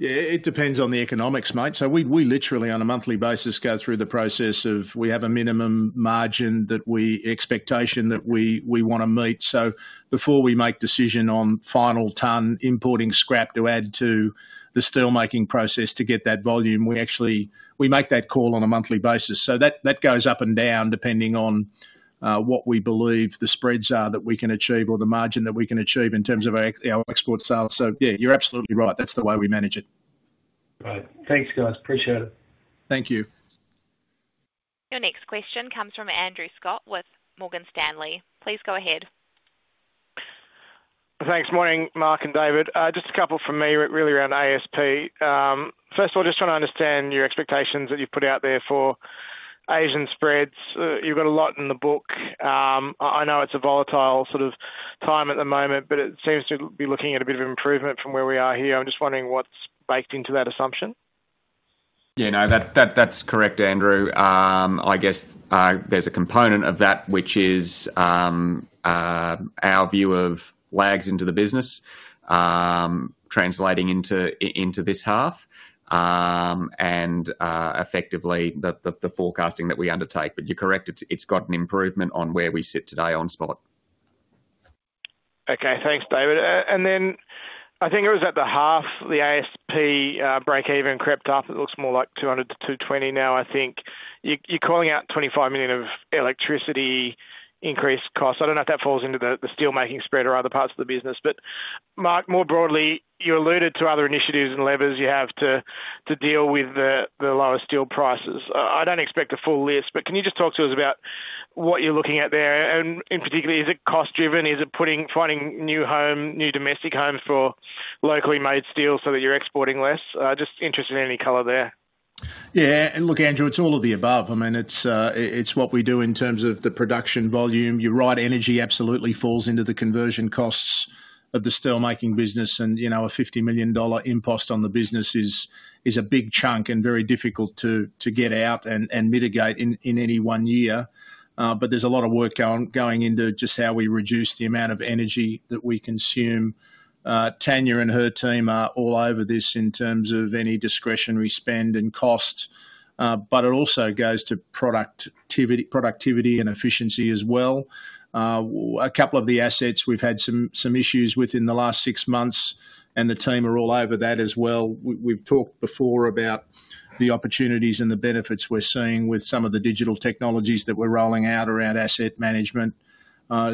S1: Yeah, it depends on the economics, mate. So we, we literally, on a monthly basis, go through the process of, we have a minimum margin that we... expectation that we, we wanna meet. So before we make decision on final ton importing scrap to add to the steelmaking process to get that volume, we actually, we make that call on a monthly basis. So that goes up and down, depending on what we believe the spreads are that we can achieve or the margin that we can achieve in terms of our, our export sales. So yeah, you're absolutely right. That's the way we manage it.
S7: Right. Thanks, guys. Appreciate it.
S1: Thank you.
S3: Your next question comes from Andrew Scott with Morgan Stanley. Please go ahead.
S8: Thanks. Morning, Mark and David. Just a couple from me, really around ASP. First of all, just trying to understand your expectations that you've put out there for Asian spreads. You've got a lot in the book. I know it's a volatile sort of time at the moment, but it seems to be looking at a bit of improvement from where we are here. I'm just wondering what's baked into that assumption.
S2: Yeah, no, that's correct, Andrew. I guess, there's a component of that, which is, our view of lags into the business, translating into this half, and, effectively, the forecasting that we undertake. But you're correct, it's got an improvement on where we sit today on spot.
S8: Okay. Thanks, David. And then I think it was at the half, the ASP break-even crept up. It looks more like 200-220 now, I think. You're calling out 25 million of electricity increased costs. I don't know if that falls into the steelmaking spread or other parts of the business. But Mark, more broadly, you alluded to other initiatives and levers you have to deal with the lower steel prices. I don't expect a full list, but can you just talk to us about what you're looking at there? And in particular, is it cost-driven? Is it finding new domestic homes for locally made steel so that you're exporting less? Just interested in any color there. ...
S1: Yeah, and look, Andrew, it's all of the above. I mean, it's what we do in terms of the production volume. You're right, energy absolutely falls into the conversion costs of the steelmaking business, and, you know, an 50 million dollar impost on the business is a big chunk and very difficult to get out and mitigate in any one year. But there's a lot of work going into just how we reduce the amount of energy that we consume. Tania and her team are all over this in terms of any discretionary spend and cost, but it also goes to productivity and efficiency as well. A couple of the assets, we've had some issues with in the last six months, and the team are all over that as well. We've talked before about the opportunities and the benefits we're seeing with some of the digital technologies that we're rolling out around asset management.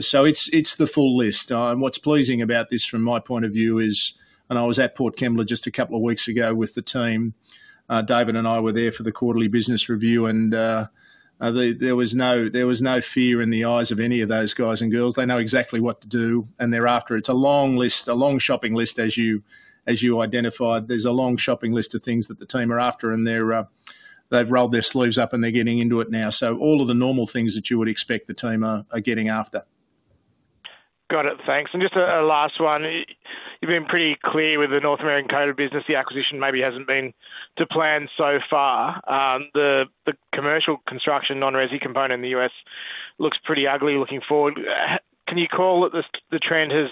S1: So it's the full list. And what's pleasing about this from my point of view is, and I was at Port Kembla just a couple of weeks ago with the team. David and I were there for the quarterly business review, and there was no fear in the eyes of any of those guys and girls. They know exactly what to do, and they're after it. It's a long list, a long shopping list, as you identified. There's a long shopping list of things that the team are after, and they've rolled their sleeves up, and they're getting into it now. So all of the normal things that you would expect, the team are getting after.
S8: Got it. Thanks. And just a last one. You've been pretty clear with the North American coated business, the acquisition maybe hasn't been to plan so far. The commercial construction, non-resi component in the US looks pretty ugly looking forward. Can you call it the trend has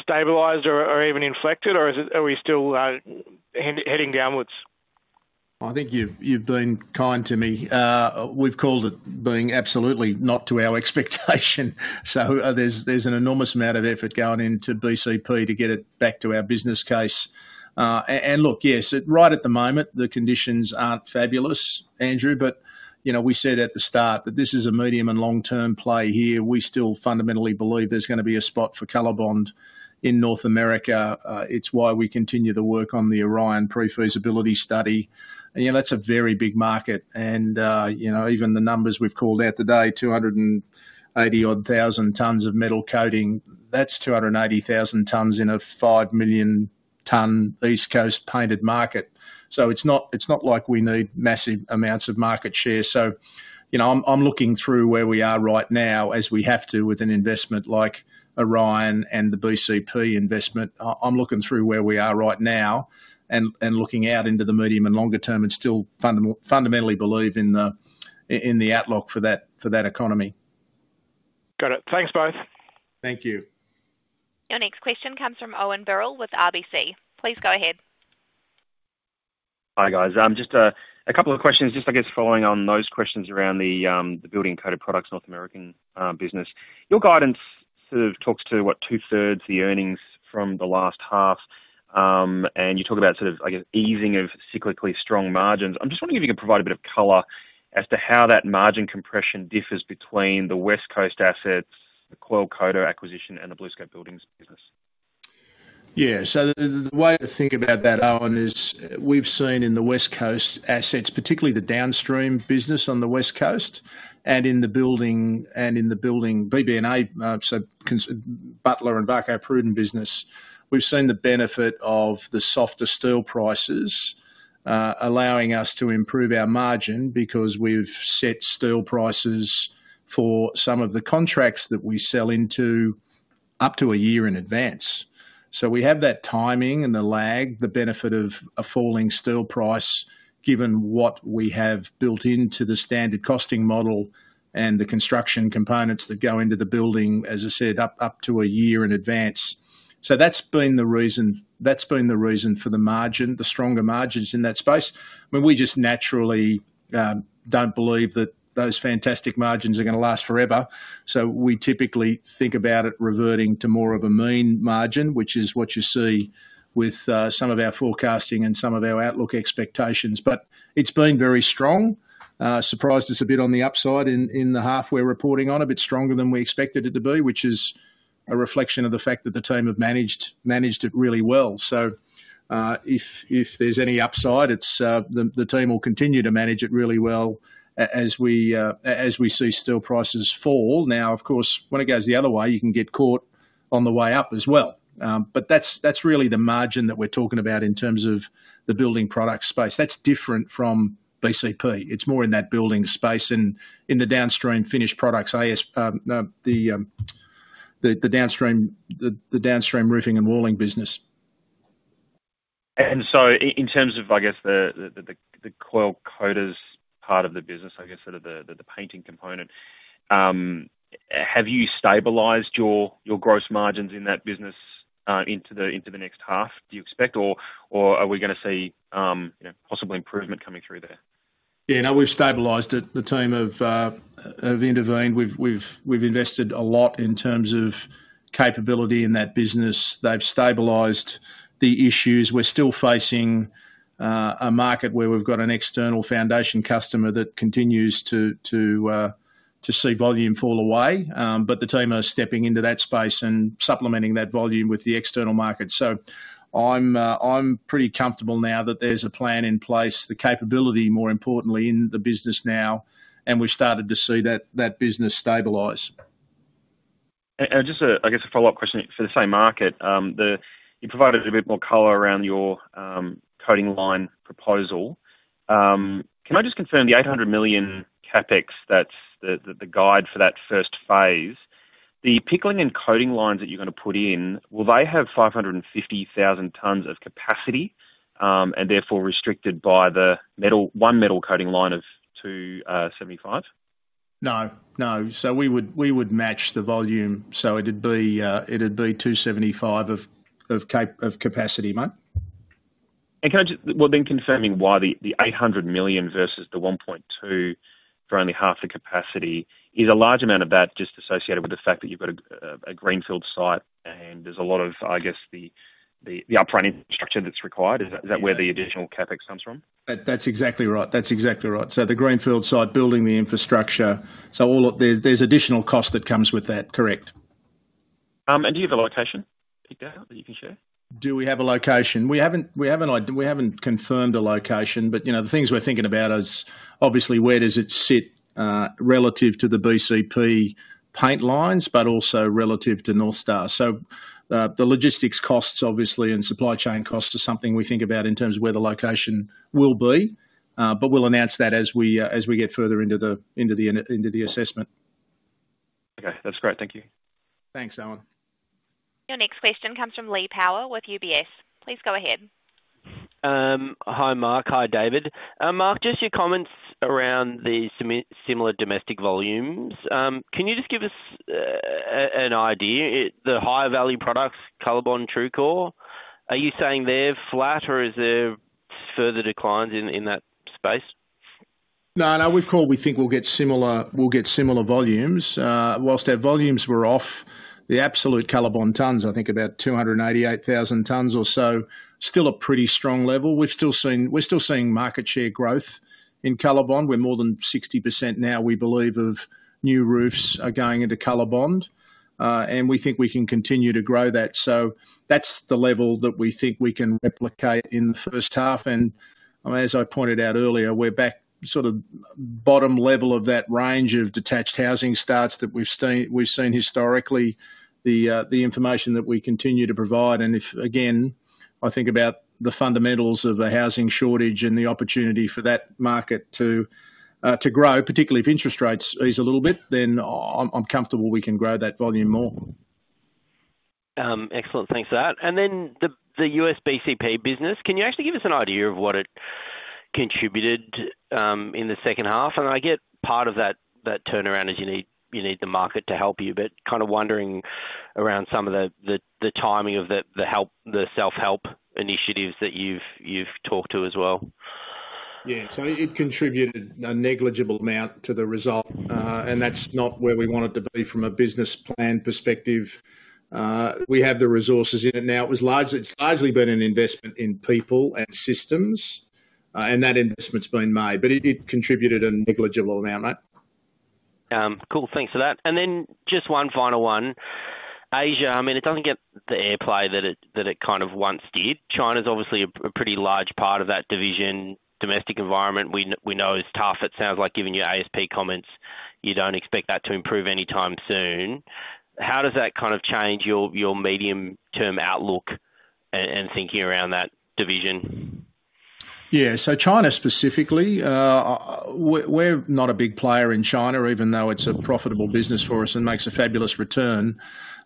S8: stabilized or even inflected, or is it, are we still heading downwards?
S1: I think you've been kind to me. We've called it being absolutely not to our expectation. So there's an enormous amount of effort going into BCP to get it back to our business case, and look, yes, right at the moment, the conditions aren't fabulous, Andrew, but, you know, we said at the start that this is a medium and long-term play here. We still fundamentally believe there's gonna be a spot for COLORBOND in North America. It's why we continue the work on the Orion pre-feasibility study. You know, that's a very big market, and, you know, even the numbers we've called out today, two hundred and eighty odd thousand tons of metal coating, that's two hundred and eighty thousand tons in a five million ton East Coast painted market. So it's not like we need massive amounts of market share. So, you know, I'm looking through where we are right now, as we have to with an investment like Orion and the BCP investment. I'm looking through where we are right now and looking out into the medium and longer term and still fundamentally believe in the outlook for that economy.
S8: Got it. Thanks, both.
S1: Thank you.
S3: Your next question comes from Owen Birrell with RBC. Please go ahead.
S9: Hi, guys. Just a couple of questions, just, I guess, following on those questions around the Buildings Coated Products North American business. Your guidance sort of talks to what, two-thirds the earnings from the last half, and you talk about sort of, I guess, easing of cyclically strong margins. I'm just wondering if you can provide a bit of color as to how that margin compression differs between the West Coast assets, the Coil Coater acquisition, and the BlueScope Buildings business.
S1: Yeah. So the way to think about that, Owen, is we've seen in the West Coast assets, particularly the downstream business on the West Coast and in the building, BBNA, so Butler and Varco Pruden business, we've seen the benefit of the softer steel prices, allowing us to improve our margin because we've set steel prices for some of the contracts that we sell into up to a year in advance. So we have that timing and the lag, the benefit of a falling steel price, given what we have built into the standard costing model and the construction components that go into the building, as I said, up to a year in advance. So that's been the reason for the margin, the stronger margins in that space. But we just naturally don't believe that those fantastic margins are gonna last forever. So we typically think about it reverting to more of a mean margin, which is what you see with some of our forecasting and some of our outlook expectations. But it's been very strong, surprised us a bit on the upside in the half we're reporting on, a bit stronger than we expected it to be, which is a reflection of the fact that the team have managed it really well. So, if there's any upside, it's the team will continue to manage it really well as we see steel prices fall. Now, of course, when it goes the other way, you can get caught on the way up as well. But that's really the margin that we're talking about in terms of the building product space. That's different from BCP. It's more in that building space and in the downstream finished products, AS, the downstream roofing and walling business.
S9: In terms of, I guess, the Coil Coaters part of the business, I guess, sort of the painting component, have you stabilized your gross margins in that business into the next half, do you expect, or are we gonna see possible improvement coming through there?
S1: Yeah, no, we've stabilized it. The team have intervened. We've invested a lot in terms of capability in that business. They've stabilized the issues. We're still facing a market where we've got an external foundation customer that continues to see volume fall away, but the team are stepping into that space and supplementing that volume with the external market. So I'm pretty comfortable now that there's a plan in place, the capability, more importantly, in the business now, and we've started to see that business stabilize....
S9: I guess a follow-up question for the same market. You provided a bit more color around your coating line proposal. Can I just confirm the 800 million CapEx? That's the guide for that first phase, the pickling and coating lines that you're gonna put in. Will they have 550,000 tons of capacity, and therefore restricted by the one metal coating line of 275?
S1: No, no. So we would match the volume, so it'd be 275 of capacity, mate.
S9: Confirming why the 800 million versus the 1.2 billion for only half the capacity, is a large amount of that just associated with the fact that you've got a greenfield site and there's a lot of, I guess, the upfront infrastructure that's required? Is that where the additional CapEx comes from?
S1: That's exactly right. That's exactly right. So the greenfield site, building the infrastructure, so all of... There's additional cost that comes with that, correct.
S9: Do you have a location picked out that you can share?
S1: Do we have a location? We haven't confirmed a location, but you know, the things we're thinking about is, obviously, where does it sit relative to the BCP paint lines, but also relative to North Star, so the logistics costs, obviously, and supply chain costs are something we think about in terms of where the location will be, but we'll announce that as we get further into the assessment.
S9: Okay, that's great. Thank you.
S1: Thanks, Owen.
S3: Your next question comes from Lee Power with UBS. Please go ahead.
S10: Hi, Mark. Hi, David. Mark, just your comments around the similar domestic volumes. Can you just give us an idea, the higher value products, COLORBOND and TRUECORE, are you saying they're flat, or is there further declines in that space?
S1: No, no, we've called it. We think we'll get similar volumes. While our volumes were off, the absolute COLORBOND tons, I think about 288,000 tons or so, still a pretty strong level. We're still seeing market share growth in COLORBOND. We're more than 60% now, we believe, of new roofs are going into COLORBOND, and we think we can continue to grow that. That's the level that we think we can replicate in the first half. I mean, as I pointed out earlier, we're back sort of bottom level of that range of detached housing starts that we've seen historically, the information that we continue to provide. If, again, I think about the fundamentals of a housing shortage and the opportunity for that market to grow, particularly if interest rates ease a little bit, then I'm comfortable we can grow that volume more.
S10: Excellent. Thanks for that. And then the US BCP business, can you actually give us an idea of what it contributed in the second half? And I get part of that turnaround is you need the market to help you, but kind of wondering about some of the timing of the self-help initiatives that you've talked to as well.
S1: Yeah. So it contributed a negligible amount to the result, and that's not where we want it to be from a business plan perspective. We have the resources in it now. It was largely, it's largely been an investment in people and systems, and that investment's been made, but it contributed a negligible amount, mate.
S10: Cool. Thanks for that. Then just one final one. Asia, I mean, it doesn't get the airplay that it kind of once did. China's obviously a pretty large part of that division. Domestic environment, we know it's tough. It sounds like given your ASP comments, you don't expect that to improve anytime soon. How does that kind of change your medium-term outlook and thinking around that division?
S1: Yeah. So China specifically, we're not a big player in China, even though it's a profitable business for us and makes a fabulous return,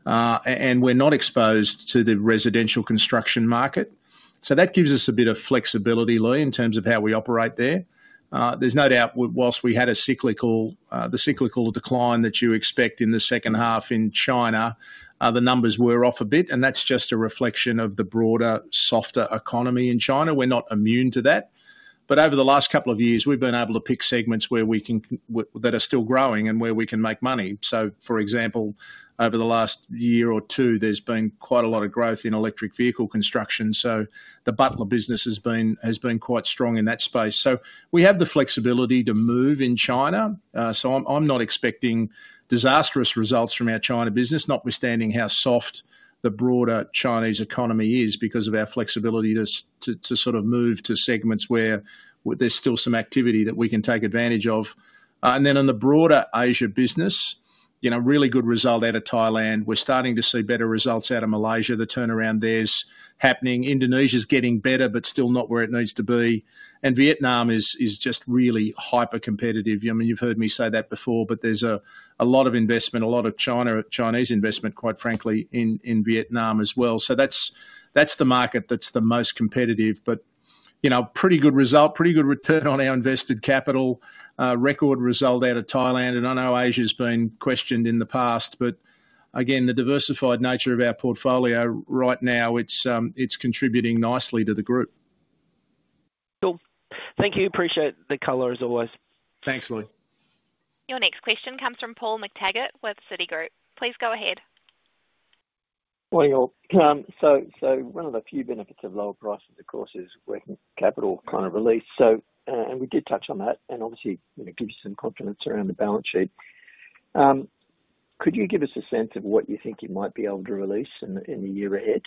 S1: and we're not exposed to the residential construction market. So that gives us a bit of flexibility, Lee, in terms of how we operate there. There's no doubt, while we had the cyclical decline that you expect in the second half in China, the numbers were off a bit, and that's just a reflection of the broader, softer economy in China. We're not immune to that. But over the last couple of years, we've been able to pick segments where we can that are still growing and where we can make money. So for example, over the last year or two, there's been quite a lot of growth in electric vehicle construction, so the Butler business has been quite strong in that space. So we have the flexibility to move in China. So I'm not expecting disastrous results from our China business, notwithstanding how soft the broader Chinese economy is because of our flexibility to sort of move to segments where there's still some activity that we can take advantage of. And then on the broader Asia business, you know, really good result out of Thailand. We're starting to see better results out of Malaysia. The turnaround there is happening. Indonesia's getting better, but still not where it needs to be. And Vietnam is just really hypercompetitive. I mean, you've heard me say that before, but there's a lot of investment, a lot of China-Chinese investment, quite frankly, in Vietnam as well. So that's the market that's the most competitive. But, you know, pretty good result, pretty good return on our invested capital, record result out of Thailand. And I know Asia's been questioned in the past, but again, the diversified nature of our portfolio right now, it's contributing nicely to the group.
S10: Cool. Thank you. Appreciate the color, as always.
S1: Thanks, Lee.
S3: Your next question comes from Paul McTaggart with Citigroup. Please go ahead.
S11: One of the few benefits of lower prices, of course, is working capital kind of release. And we did touch on that, and obviously, you know, it gives you some confidence around the balance sheet. Could you give us a sense of what you think you might be able to release in the year ahead?...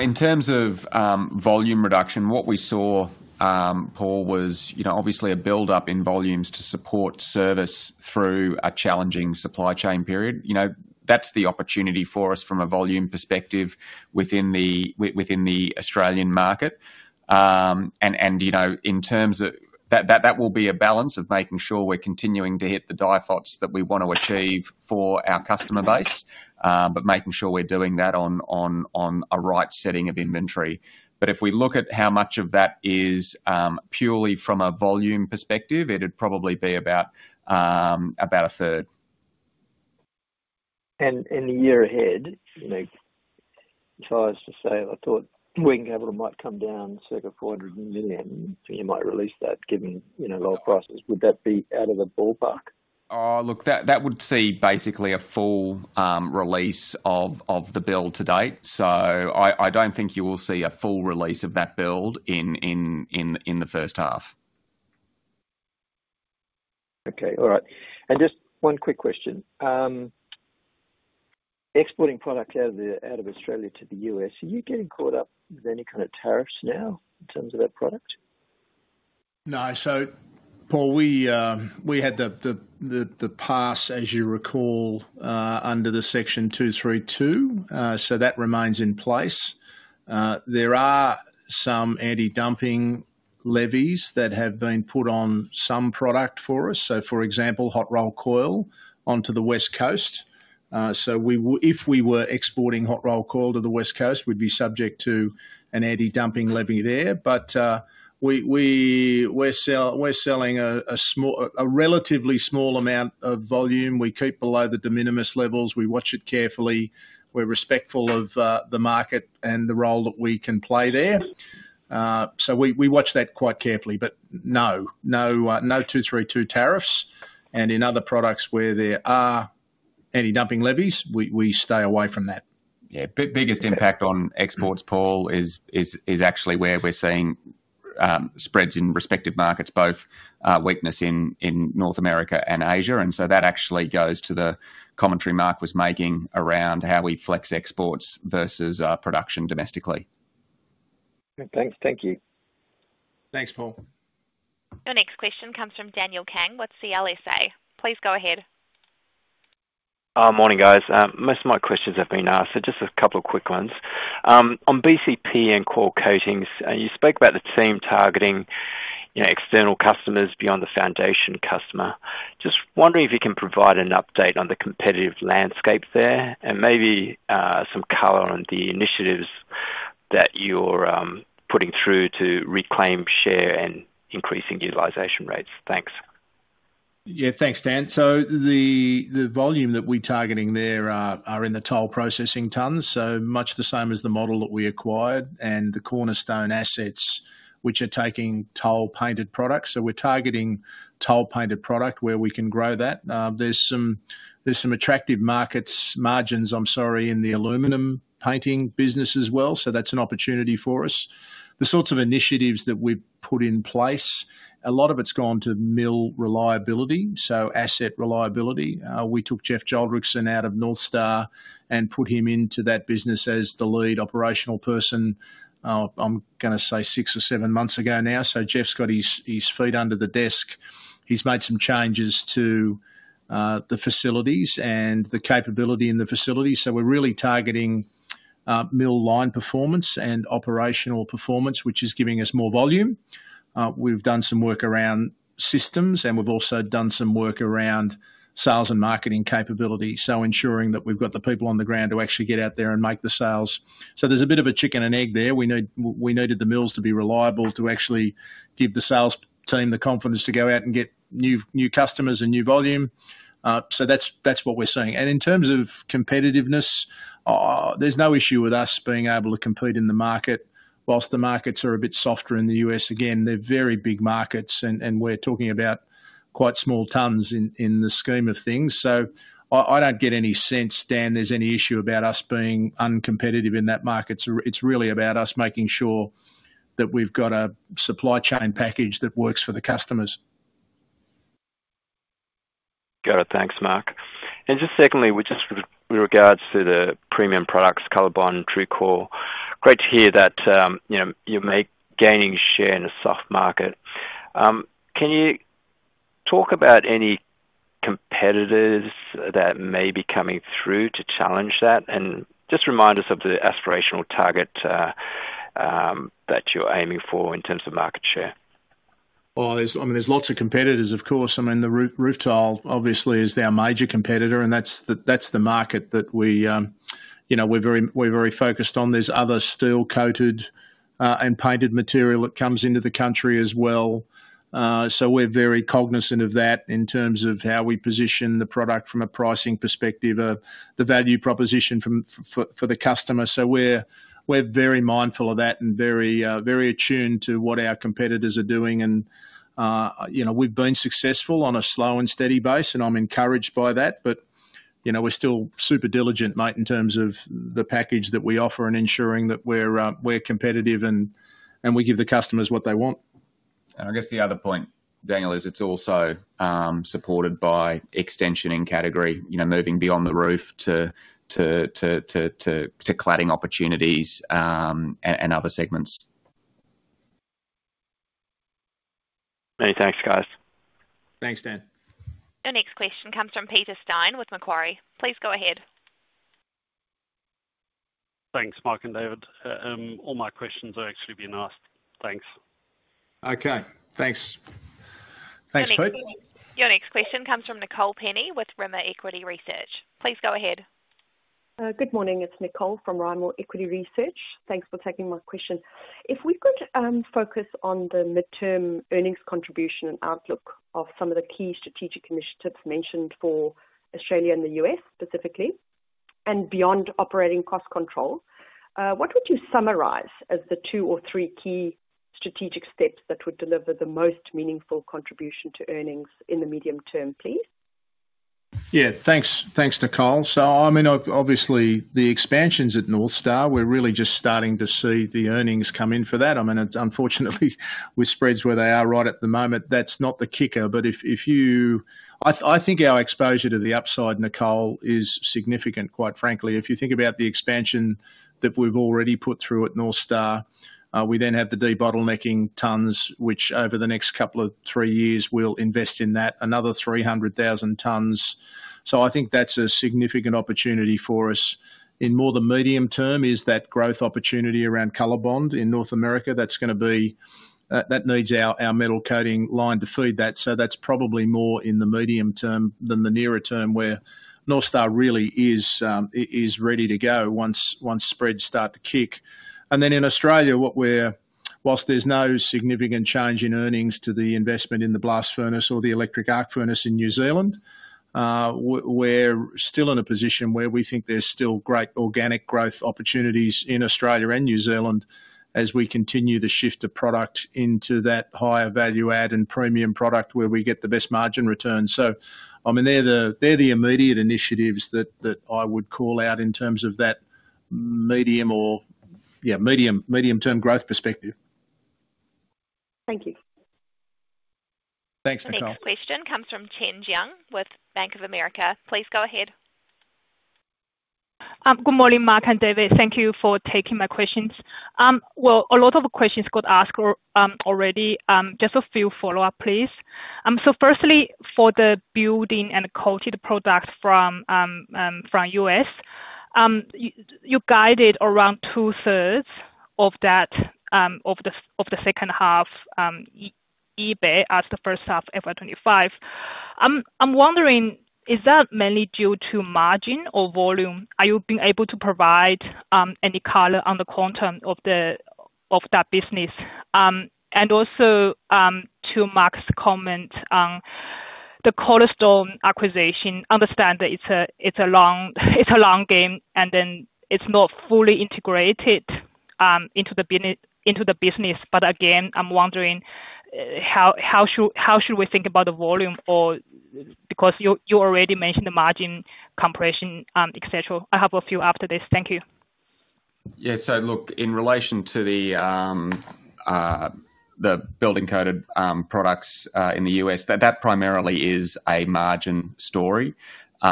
S2: In terms of volume reduction, what we saw, Paul, was, you know, obviously a buildup in volumes to support service through a challenging supply chain period. You know, that's the opportunity for us from a volume perspective within the within the Australian market. And you know, in terms of that. That will be a balance of making sure we're continuing to hit the DIFOTs that we want to achieve for our customer base, but making sure we're doing that on a right setting of inventory. But if we look at how much of that is purely from a volume perspective, it'd probably be about a third.
S11: In the year ahead, like, if I was to say, I thought working capital might come down circa 400 million, you might release that, given, you know, low prices. Would that be out of the ballpark?
S2: Look, that would see basically a full release of the build to date, so I don't think you will see a full release of that build in the first half.
S11: Okay. All right. And just one quick question. Exporting products out of Australia to the US, are you getting caught up with any kind of tariffs now in terms of that product?
S1: No. So, Paul, we had the pass, as you recall, under the Section 232, so that remains in place. There are some anti-dumping levies that have been put on some product for us. So, for example, hot rolled coil onto the West Coast. So if we were exporting hot rolled coil to the West Coast, we'd be subject to an anti-dumping levy there. But, we, we're selling a relatively small amount of volume. We keep below the de minimis levels. We watch it carefully. We're respectful of the market and the role that we can play there. So we watch that quite carefully, but no 232 tariffs. And in other products where there are anti-dumping levies, we stay away from that.
S2: Yeah. Biggest impact on exports, Paul, is actually where we're seeing spreads in respective markets, both weakness in North America and Asia. And so that actually goes to the commentary Mark was making around how we flex exports versus production domestically.
S11: Thanks. Thank you.
S1: Thanks, Paul.
S3: Your next question comes from Daniel Kang with CLSA. Please go ahead.
S12: Morning, guys. Most of my questions have been asked, so just a couple of quick ones. On BCP and coated products, you spoke about the team targeting, you know, external customers beyond the foundation customer. Just wondering if you can provide an update on the competitive landscape there, and maybe some color on the initiatives that you're putting through to reclaim share and increasing utilization rates. Thanks.
S1: Yeah, thanks, Dan. So the volume that we're targeting there are in the toll processing tons, so much the same as the model that we acquired and the cornerstone assets, which are taking toll painted products. So we're targeting toll painted product where we can grow that. There's some attractive markets, margins, I'm sorry, in the aluminum painting business as well, so that's an opportunity for us. The sorts of initiatives that we've put in place, a lot of it's gone to mill reliability, so asset reliability. We took Jeff Joldrichsen out of North Star and put him into that business as the lead operational person, I'm gonna say six or seven months ago now. So Jeff's got his feet under the desk. He's made some changes to the facilities and the capability in the facility. So we're really targeting mill line performance and operational performance, which is giving us more volume. We've done some work around systems, and we've also done some work around sales and marketing capability, so ensuring that we've got the people on the ground to actually get out there and make the sales, so there's a bit of a chicken and egg there. We need, we needed the mills to be reliable, to actually give the sales team the confidence to go out and get new customers and new volume, so that's what we're seeing, and in terms of competitiveness, there's no issue with us being able to compete in the market. While the markets are a bit softer in the U.S., again, they're very big markets, and we're talking about quite small tons in the scheme of things. I don't get any sense, Dan, there's any issue about us being uncompetitive in that market. It's really about us making sure that we've got a supply chain package that works for the customers.
S12: Got it. Thanks, Mark. And just secondly, with just regards to the premium products, COLORBOND and TRUECORE, great to hear that, you know, you've made gaining share in a soft market. Can you talk about any competitors that may be coming through to challenge that? And just remind us of the aspirational target, that you're aiming for in terms of market share.
S1: I mean, there are lots of competitors, of course. I mean, the roof tile, obviously, is our major competitor, and that's the market that we, you know, we're very focused on. There's other steel-coated and painted material that comes into the country as well. So we're very cognizant of that in terms of how we position the product from a pricing perspective of the value proposition for the customer. So we're very mindful of that and very attuned to what our competitors are doing. And you know, we've been successful on a slow and steady base, and I'm encouraged by that. But you know, we're still super diligent, mate, in terms of the package that we offer and ensuring that we're competitive and we give the customers what they want....
S2: And I guess the other point, Daniel, is it's also supported by extension in category, you know, moving beyond the roof to cladding opportunities, and other segments.
S12: Many thanks, guys.
S1: Thanks, Dan.
S3: The next question comes from Peter Steyn with Macquarie. Please go ahead.
S13: Thanks, Mark and David. All my questions have actually been asked. Thanks.
S1: Okay, thanks. Thanks, Pete.
S3: Your next question comes from Nicole Penny with Rimor Equity Research. Please go ahead.
S14: Good morning, it's Nicole from Rimor Equity Research. Thanks for taking my question. If we could, focus on the midterm earnings contribution and outlook of some of the key strategic initiatives mentioned for Australia and the US, specifically, and beyond operating cost control, what would you summarize as the two or three key strategic steps that would deliver the most meaningful contribution to earnings in the medium term, please?
S1: Yeah, thanks. Thanks, Nicole. So I mean, obviously, the expansions at North Star, we're really just starting to see the earnings come in for that. I mean, it's unfortunately, with spreads where they are right at the moment, that's not the kicker. But if you... I think our exposure to the upside, Nicole, is significant, quite frankly. If you think about the expansion that we've already put through at North Star, we then have the debottlenecking tons, which over the next couple of three years, we'll invest in that, another three hundred thousand tons. So I think that's a significant opportunity for us. In more the medium term, is that growth opportunity around COLORBOND in North America, that's gonna be, that needs our metal coating line to feed that. So that's probably more in the medium term than the nearer term, where North Star really is ready to go once spreads start to kick. And then in Australia, whilst there's no significant change in earnings to the investment in the blast furnace or the electric arc furnace in New Zealand, we're still in a position where we think there's still great organic growth opportunities in Australia and New Zealand as we continue the shift of product into that higher value add and premium product where we get the best margin returns. So, I mean, they're the immediate initiatives that I would call out in terms of that medium or, yeah, medium, medium-term growth perspective.
S14: Thank you.
S1: Thanks, Nicole.
S3: The next question comes from Chen Jiang with Bank of America. Please go ahead.
S15: Good morning, Mark and David. Thank you for taking my questions. Well, a lot of the questions got asked already. Just a few follow-up, please. So firstly, for the building and coated products from US, you guided around two-thirds of that of the second half EBIT as the first half FY 2025. I'm wondering, is that mainly due to margin or volume? Are you being able to provide any color on the quantum of that business? And also, to Mark's comment on the Cornerstone acquisition, I understand that it's a long game, and it's not fully integrated into the business. But again, I'm wondering, how should we think about the volume or... Because you already mentioned the margin compression, et cetera. I have a few after this. Thank you.
S2: Yeah. So look, in relation to the Buildings Coated Products in the US, that primarily is a margin story. You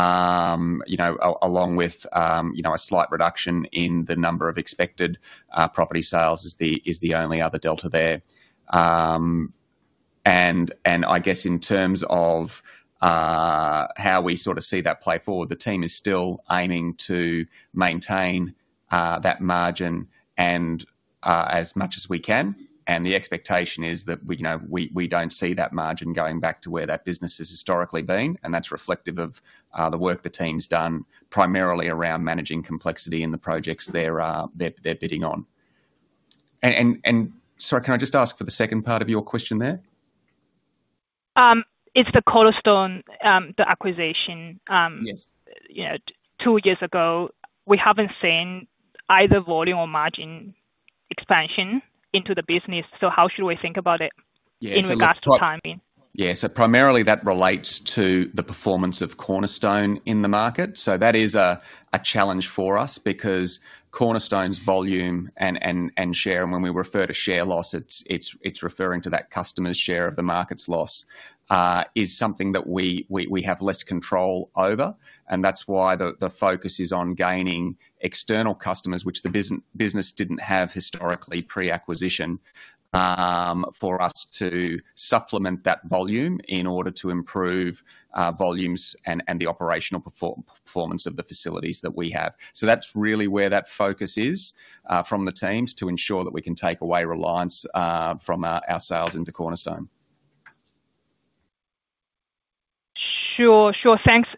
S2: know, along with you know, a slight reduction in the number of expected property sales is the only other delta there. And I guess in terms of how we sort of see that play forward, the team is still aiming to maintain that margin and as much as we can, and the expectation is that you know, we don't see that margin going back to where that business has historically been, and that's reflective of the work the team's done, primarily around managing complexity in the projects they're bidding on. And sorry, can I just ask for the second part of your question there?
S15: It's the Cornerstone, the acquisition.
S2: Yes.
S15: You know, two years ago, we haven't seen either volume or margin expansion into the business, so how should we think about it?
S2: Yeah, so look-
S15: In regards to timing?
S2: Yeah. So primarily, that relates to the performance of Cornerstone in the market. So that is a challenge for us because Cornerstone's volume and share, and when we refer to share loss, it's referring to that customer's share of the market's loss, is something that we have less control over, and that's why the focus is on gaining external customers, which the business didn't have historically pre-acquisition, for us to supplement that volume in order to improve volumes and the operational performance of the facilities that we have. So that's really where that focus is, from the teams, to ensure that we can take away reliance from our sales into Cornerstone.
S15: Sure. Thanks,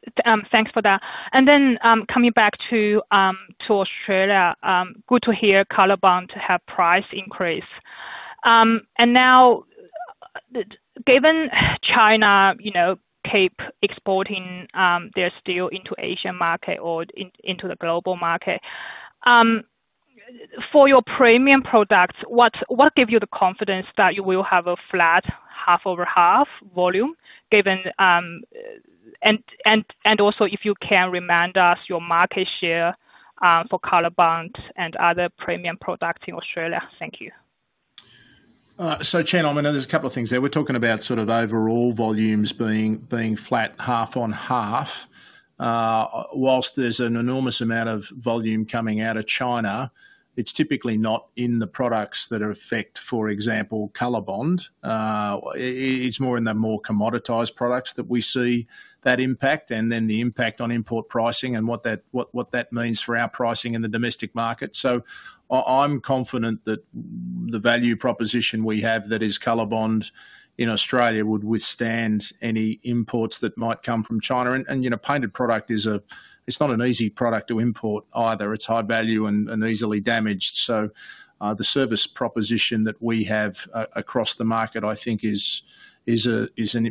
S15: thanks for that. And then, coming back to Australia, good to hear COLORBOND have price increase. And now, given China, you know, keep exporting their steel into Asian market or into the global market, for your premium products, what give you the confidence that you will have a flat half over half volume, given and also if you can remind us your market share for COLORBOND and other premium products in Australia. Thank you.
S1: So, Chen, I mean, there's a couple of things there. We're talking about sort of overall volumes being flat, half on half. While there's an enormous amount of volume coming out of China, it's typically not in the products that affect, for example, COLORBOND. It's more in the more commoditized products that we see that impact, and then the impact on import pricing and what that means for our pricing in the domestic market. So I'm confident that the value proposition we have that is COLORBOND in Australia would withstand any imports that might come from China. And you know, painted product is not an easy product to import either. It's high value and easily damaged. The service proposition that we have across the market, I think, is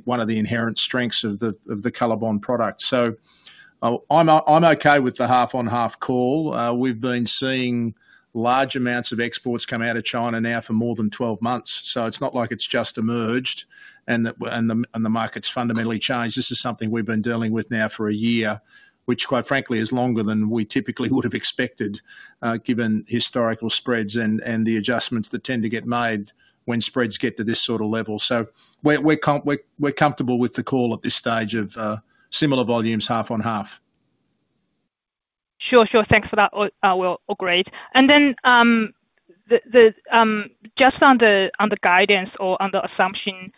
S1: one of the inherent strengths of the COLORBOND product. I'm okay with the half on half call. We've been seeing large amounts of exports come out of China now for more than 12 months, so it's not like it's just emerged and the market's fundamentally changed. This is something we've been dealing with now for a year, which, quite frankly, is longer than we typically would have expected, given historical spreads and the adjustments that tend to get made when spreads get to this sort of level. We're comfortable with the call at this stage of similar volumes, half on half.
S15: Sure. Sure. Thanks for that. Well, all great. And then, just on the guidance or on the assumption,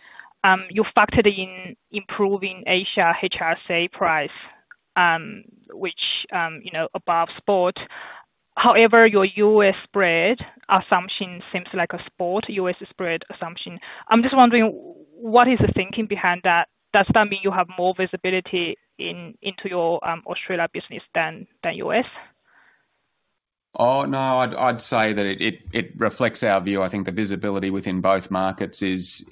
S15: you factored in improving Asia HRC price, which, you know, above spot. However, your US spread assumption seems like a spot, US spread assumption. I'm just wondering, what is the thinking behind that? Does that mean you have more visibility into your Australia business than US?
S1: Oh, no. I'd say that it reflects our view. I think the visibility within both markets is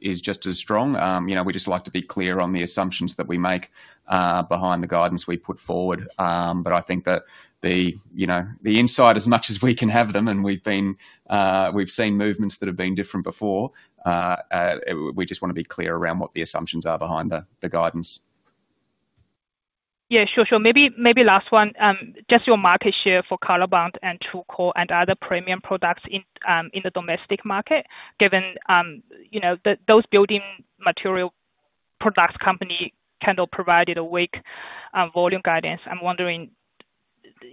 S1: just as strong. You know, we just like to be clear on the assumptions that we make behind the guidance we put forward. But I think that the, you know, the insight, as much as we can have them, and we've been, we've seen movements that have been different before, we just want to be clear around what the assumptions are behind the guidance.
S15: Yeah, sure. Sure. Maybe, maybe last one. Just your market share for COLORBOND and TRUECORE and other premium products in the domestic market, given you know those building material product company kind of provided a weak volume guidance. I'm wondering,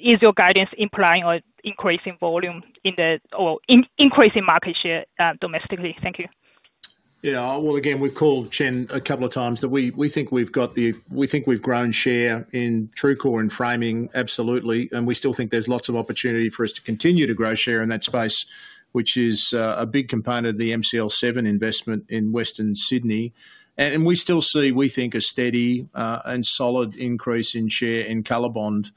S15: is your guidance implying or increasing volume in the or increasing market share domestically? Thank you.
S1: Yeah. Well, again, we've called Chen a couple of times that we think we've grown share in TRUECORE and Framing, absolutely, and we still think there's lots of opportunity for us to continue to grow share in that space, which is a big component of the MCL7 investment in Western Sydney. And we still see, we think, a steady and solid increase in share in COLORBOND,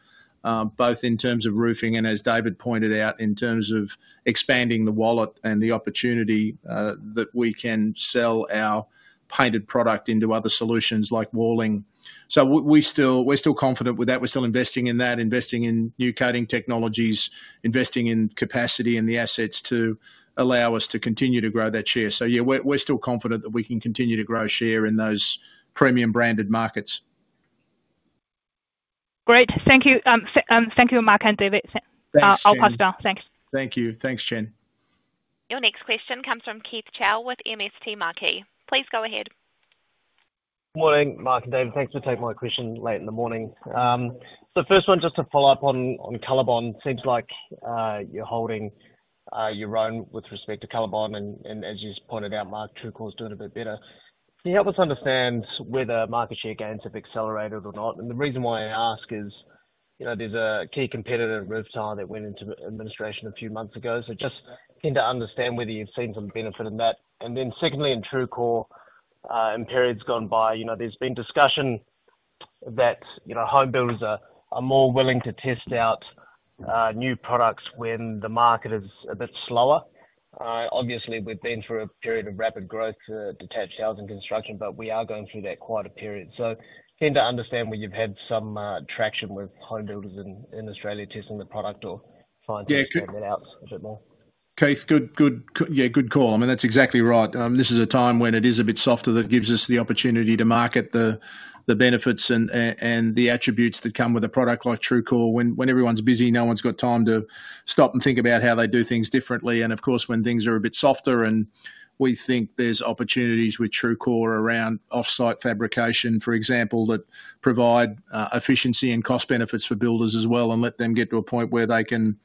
S1: both in terms of roofing and, as David pointed out, in terms of expanding the wallet and the opportunity that we can sell our painted product into other solutions like walling. So we still, we're still confident with that. We're still investing in that, investing in new coating technologies, investing in capacity and the assets to allow us to continue to grow that share. So yeah, we're still confident that we can continue to grow share in those premium branded markets.
S15: Great. Thank you. Thank you, Mark and David.
S1: Thanks, Chen.
S15: I'll pass down. Thanks.
S1: Thank you. Thanks, Chen.
S3: Your next question comes from Keith Chau with MST Marquee. Please go ahead.
S16: Morning, Mark and David. Thanks for taking my question late in the morning. So first one, just to follow up on COLORBOND. Seems like you're holding your own with respect to COLORBOND, and as you just pointed out, Mark, TRUECORE is doing a bit better. Can you help us understand whether market share gains have accelerated or not? And the reason why I ask is, you know, there's a key competitor at Revolution Roofing that went into administration a few months ago. So just keen to understand whether you've seen some benefit in that. And then secondly, in TRUECORE, in periods gone by, you know, there's been discussion that, you know, home builders are more willing to test out new products when the market is a bit slower. Obviously, we've been through a period of rapid growth, detached sales and construction, but we are going through that quieter period. So keen to understand whether you've had some traction with home builders in Australia testing the product or finding-
S1: Yeah-
S16: it out a bit more.
S1: Keith, good, yeah, good call. I mean, that's exactly right. This is a time when it is a bit softer that gives us the opportunity to market the benefits and the attributes that come with a product like TRUECORE. When everyone's busy, no one's got time to stop and think about how they do things differently. And of course, when things are a bit softer and we think there's opportunities with TRUECORE around off-site fabrication, for example, that provide efficiency and cost benefits for builders as well, and let them get to a point where they can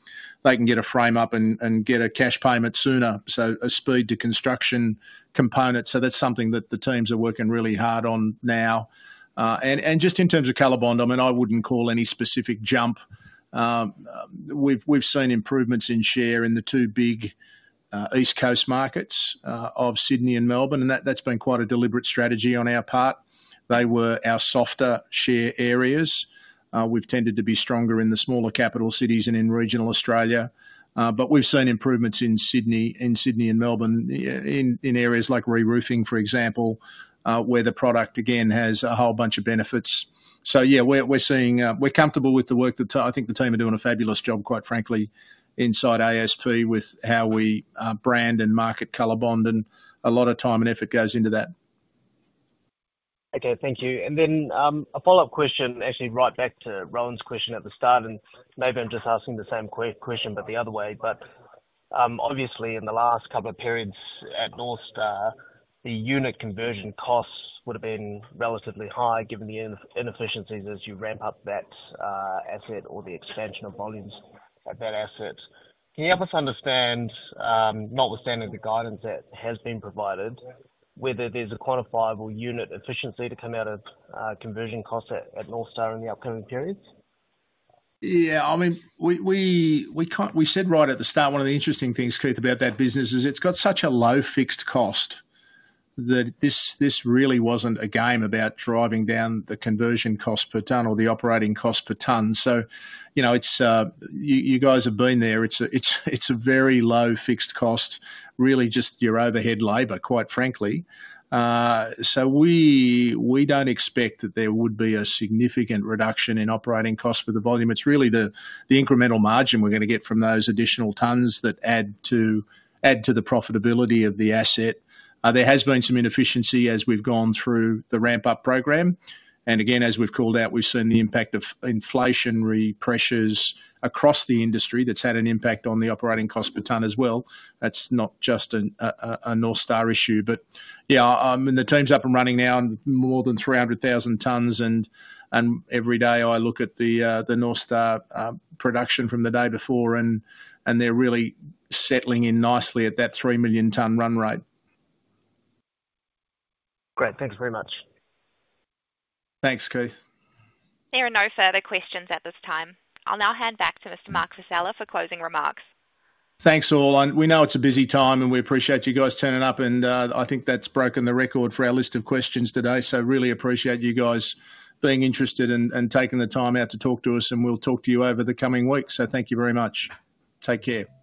S1: get a frame up and get a cash payment sooner. So a speed to construction component. So that's something that the teams are working really hard on now. And just in terms of COLORBOND, I mean, I wouldn't call any specific jump. We've seen improvements in share in the two big East Coast markets of Sydney and Melbourne, and that's been quite a deliberate strategy on our part. They were our softer share areas. We've tended to be stronger in the smaller capital cities and in regional Australia, but we've seen improvements in Sydney and Melbourne, in areas like reroofing, for example, where the product again has a whole bunch of benefits. So yeah, we're seeing. We're comfortable with the work the team are doing a fabulous job, quite frankly, inside ASP with how we brand and market COLORBOND, and a lot of time and effort goes into that.
S16: Okay, thank you. And then, a follow-up question, actually, right back to Rohan's question at the start, and maybe I'm just asking the same question, but the other way. But, obviously, in the last couple of periods at North Star, the unit conversion costs would have been relatively high, given the inefficiencies as you ramp up that asset or the expansion of volumes at that asset. Can you help us understand, notwithstanding the guidance that has been provided, whether there's a quantifiable unit efficiency to come out of conversion costs at North Star in the upcoming periods?
S1: Yeah, I mean, we can't. We said right at the start, one of the interesting things, Keith, about that business is it's got such a low fixed cost, that this really wasn't a game about driving down the conversion cost per ton or the operating cost per ton. So, you know, you guys have been there. It's a very low fixed cost, really just your overhead labor, quite frankly. So we don't expect that there would be a significant reduction in operating costs for the volume. It's really the incremental margin we're gonna get from those additional tons that add to the profitability of the asset. There has been some inefficiency as we've gone through the ramp-up program. And again, as we've called out, we've seen the impact of inflationary pressures across the industry. That's had an impact on the operating cost per ton as well. That's not just a North Star issue. But yeah, and the team's up and running now on more than three hundred thousand tons, and every day I look at the North Star production from the day before, and they're really settling in nicely at that three million ton run rate.
S16: Great. Thank you very much.
S1: Thanks, Keith.
S3: There are no further questions at this time. I'll now hand back to Mr. Mark Vassella for closing remarks.
S1: Thanks, all. And we know it's a busy time, and we appreciate you guys turning up, and I think that's broken the record for our list of questions today. So really appreciate you guys being interested and taking the time out to talk to us, and we'll talk to you over the coming weeks. So thank you very much. Take care.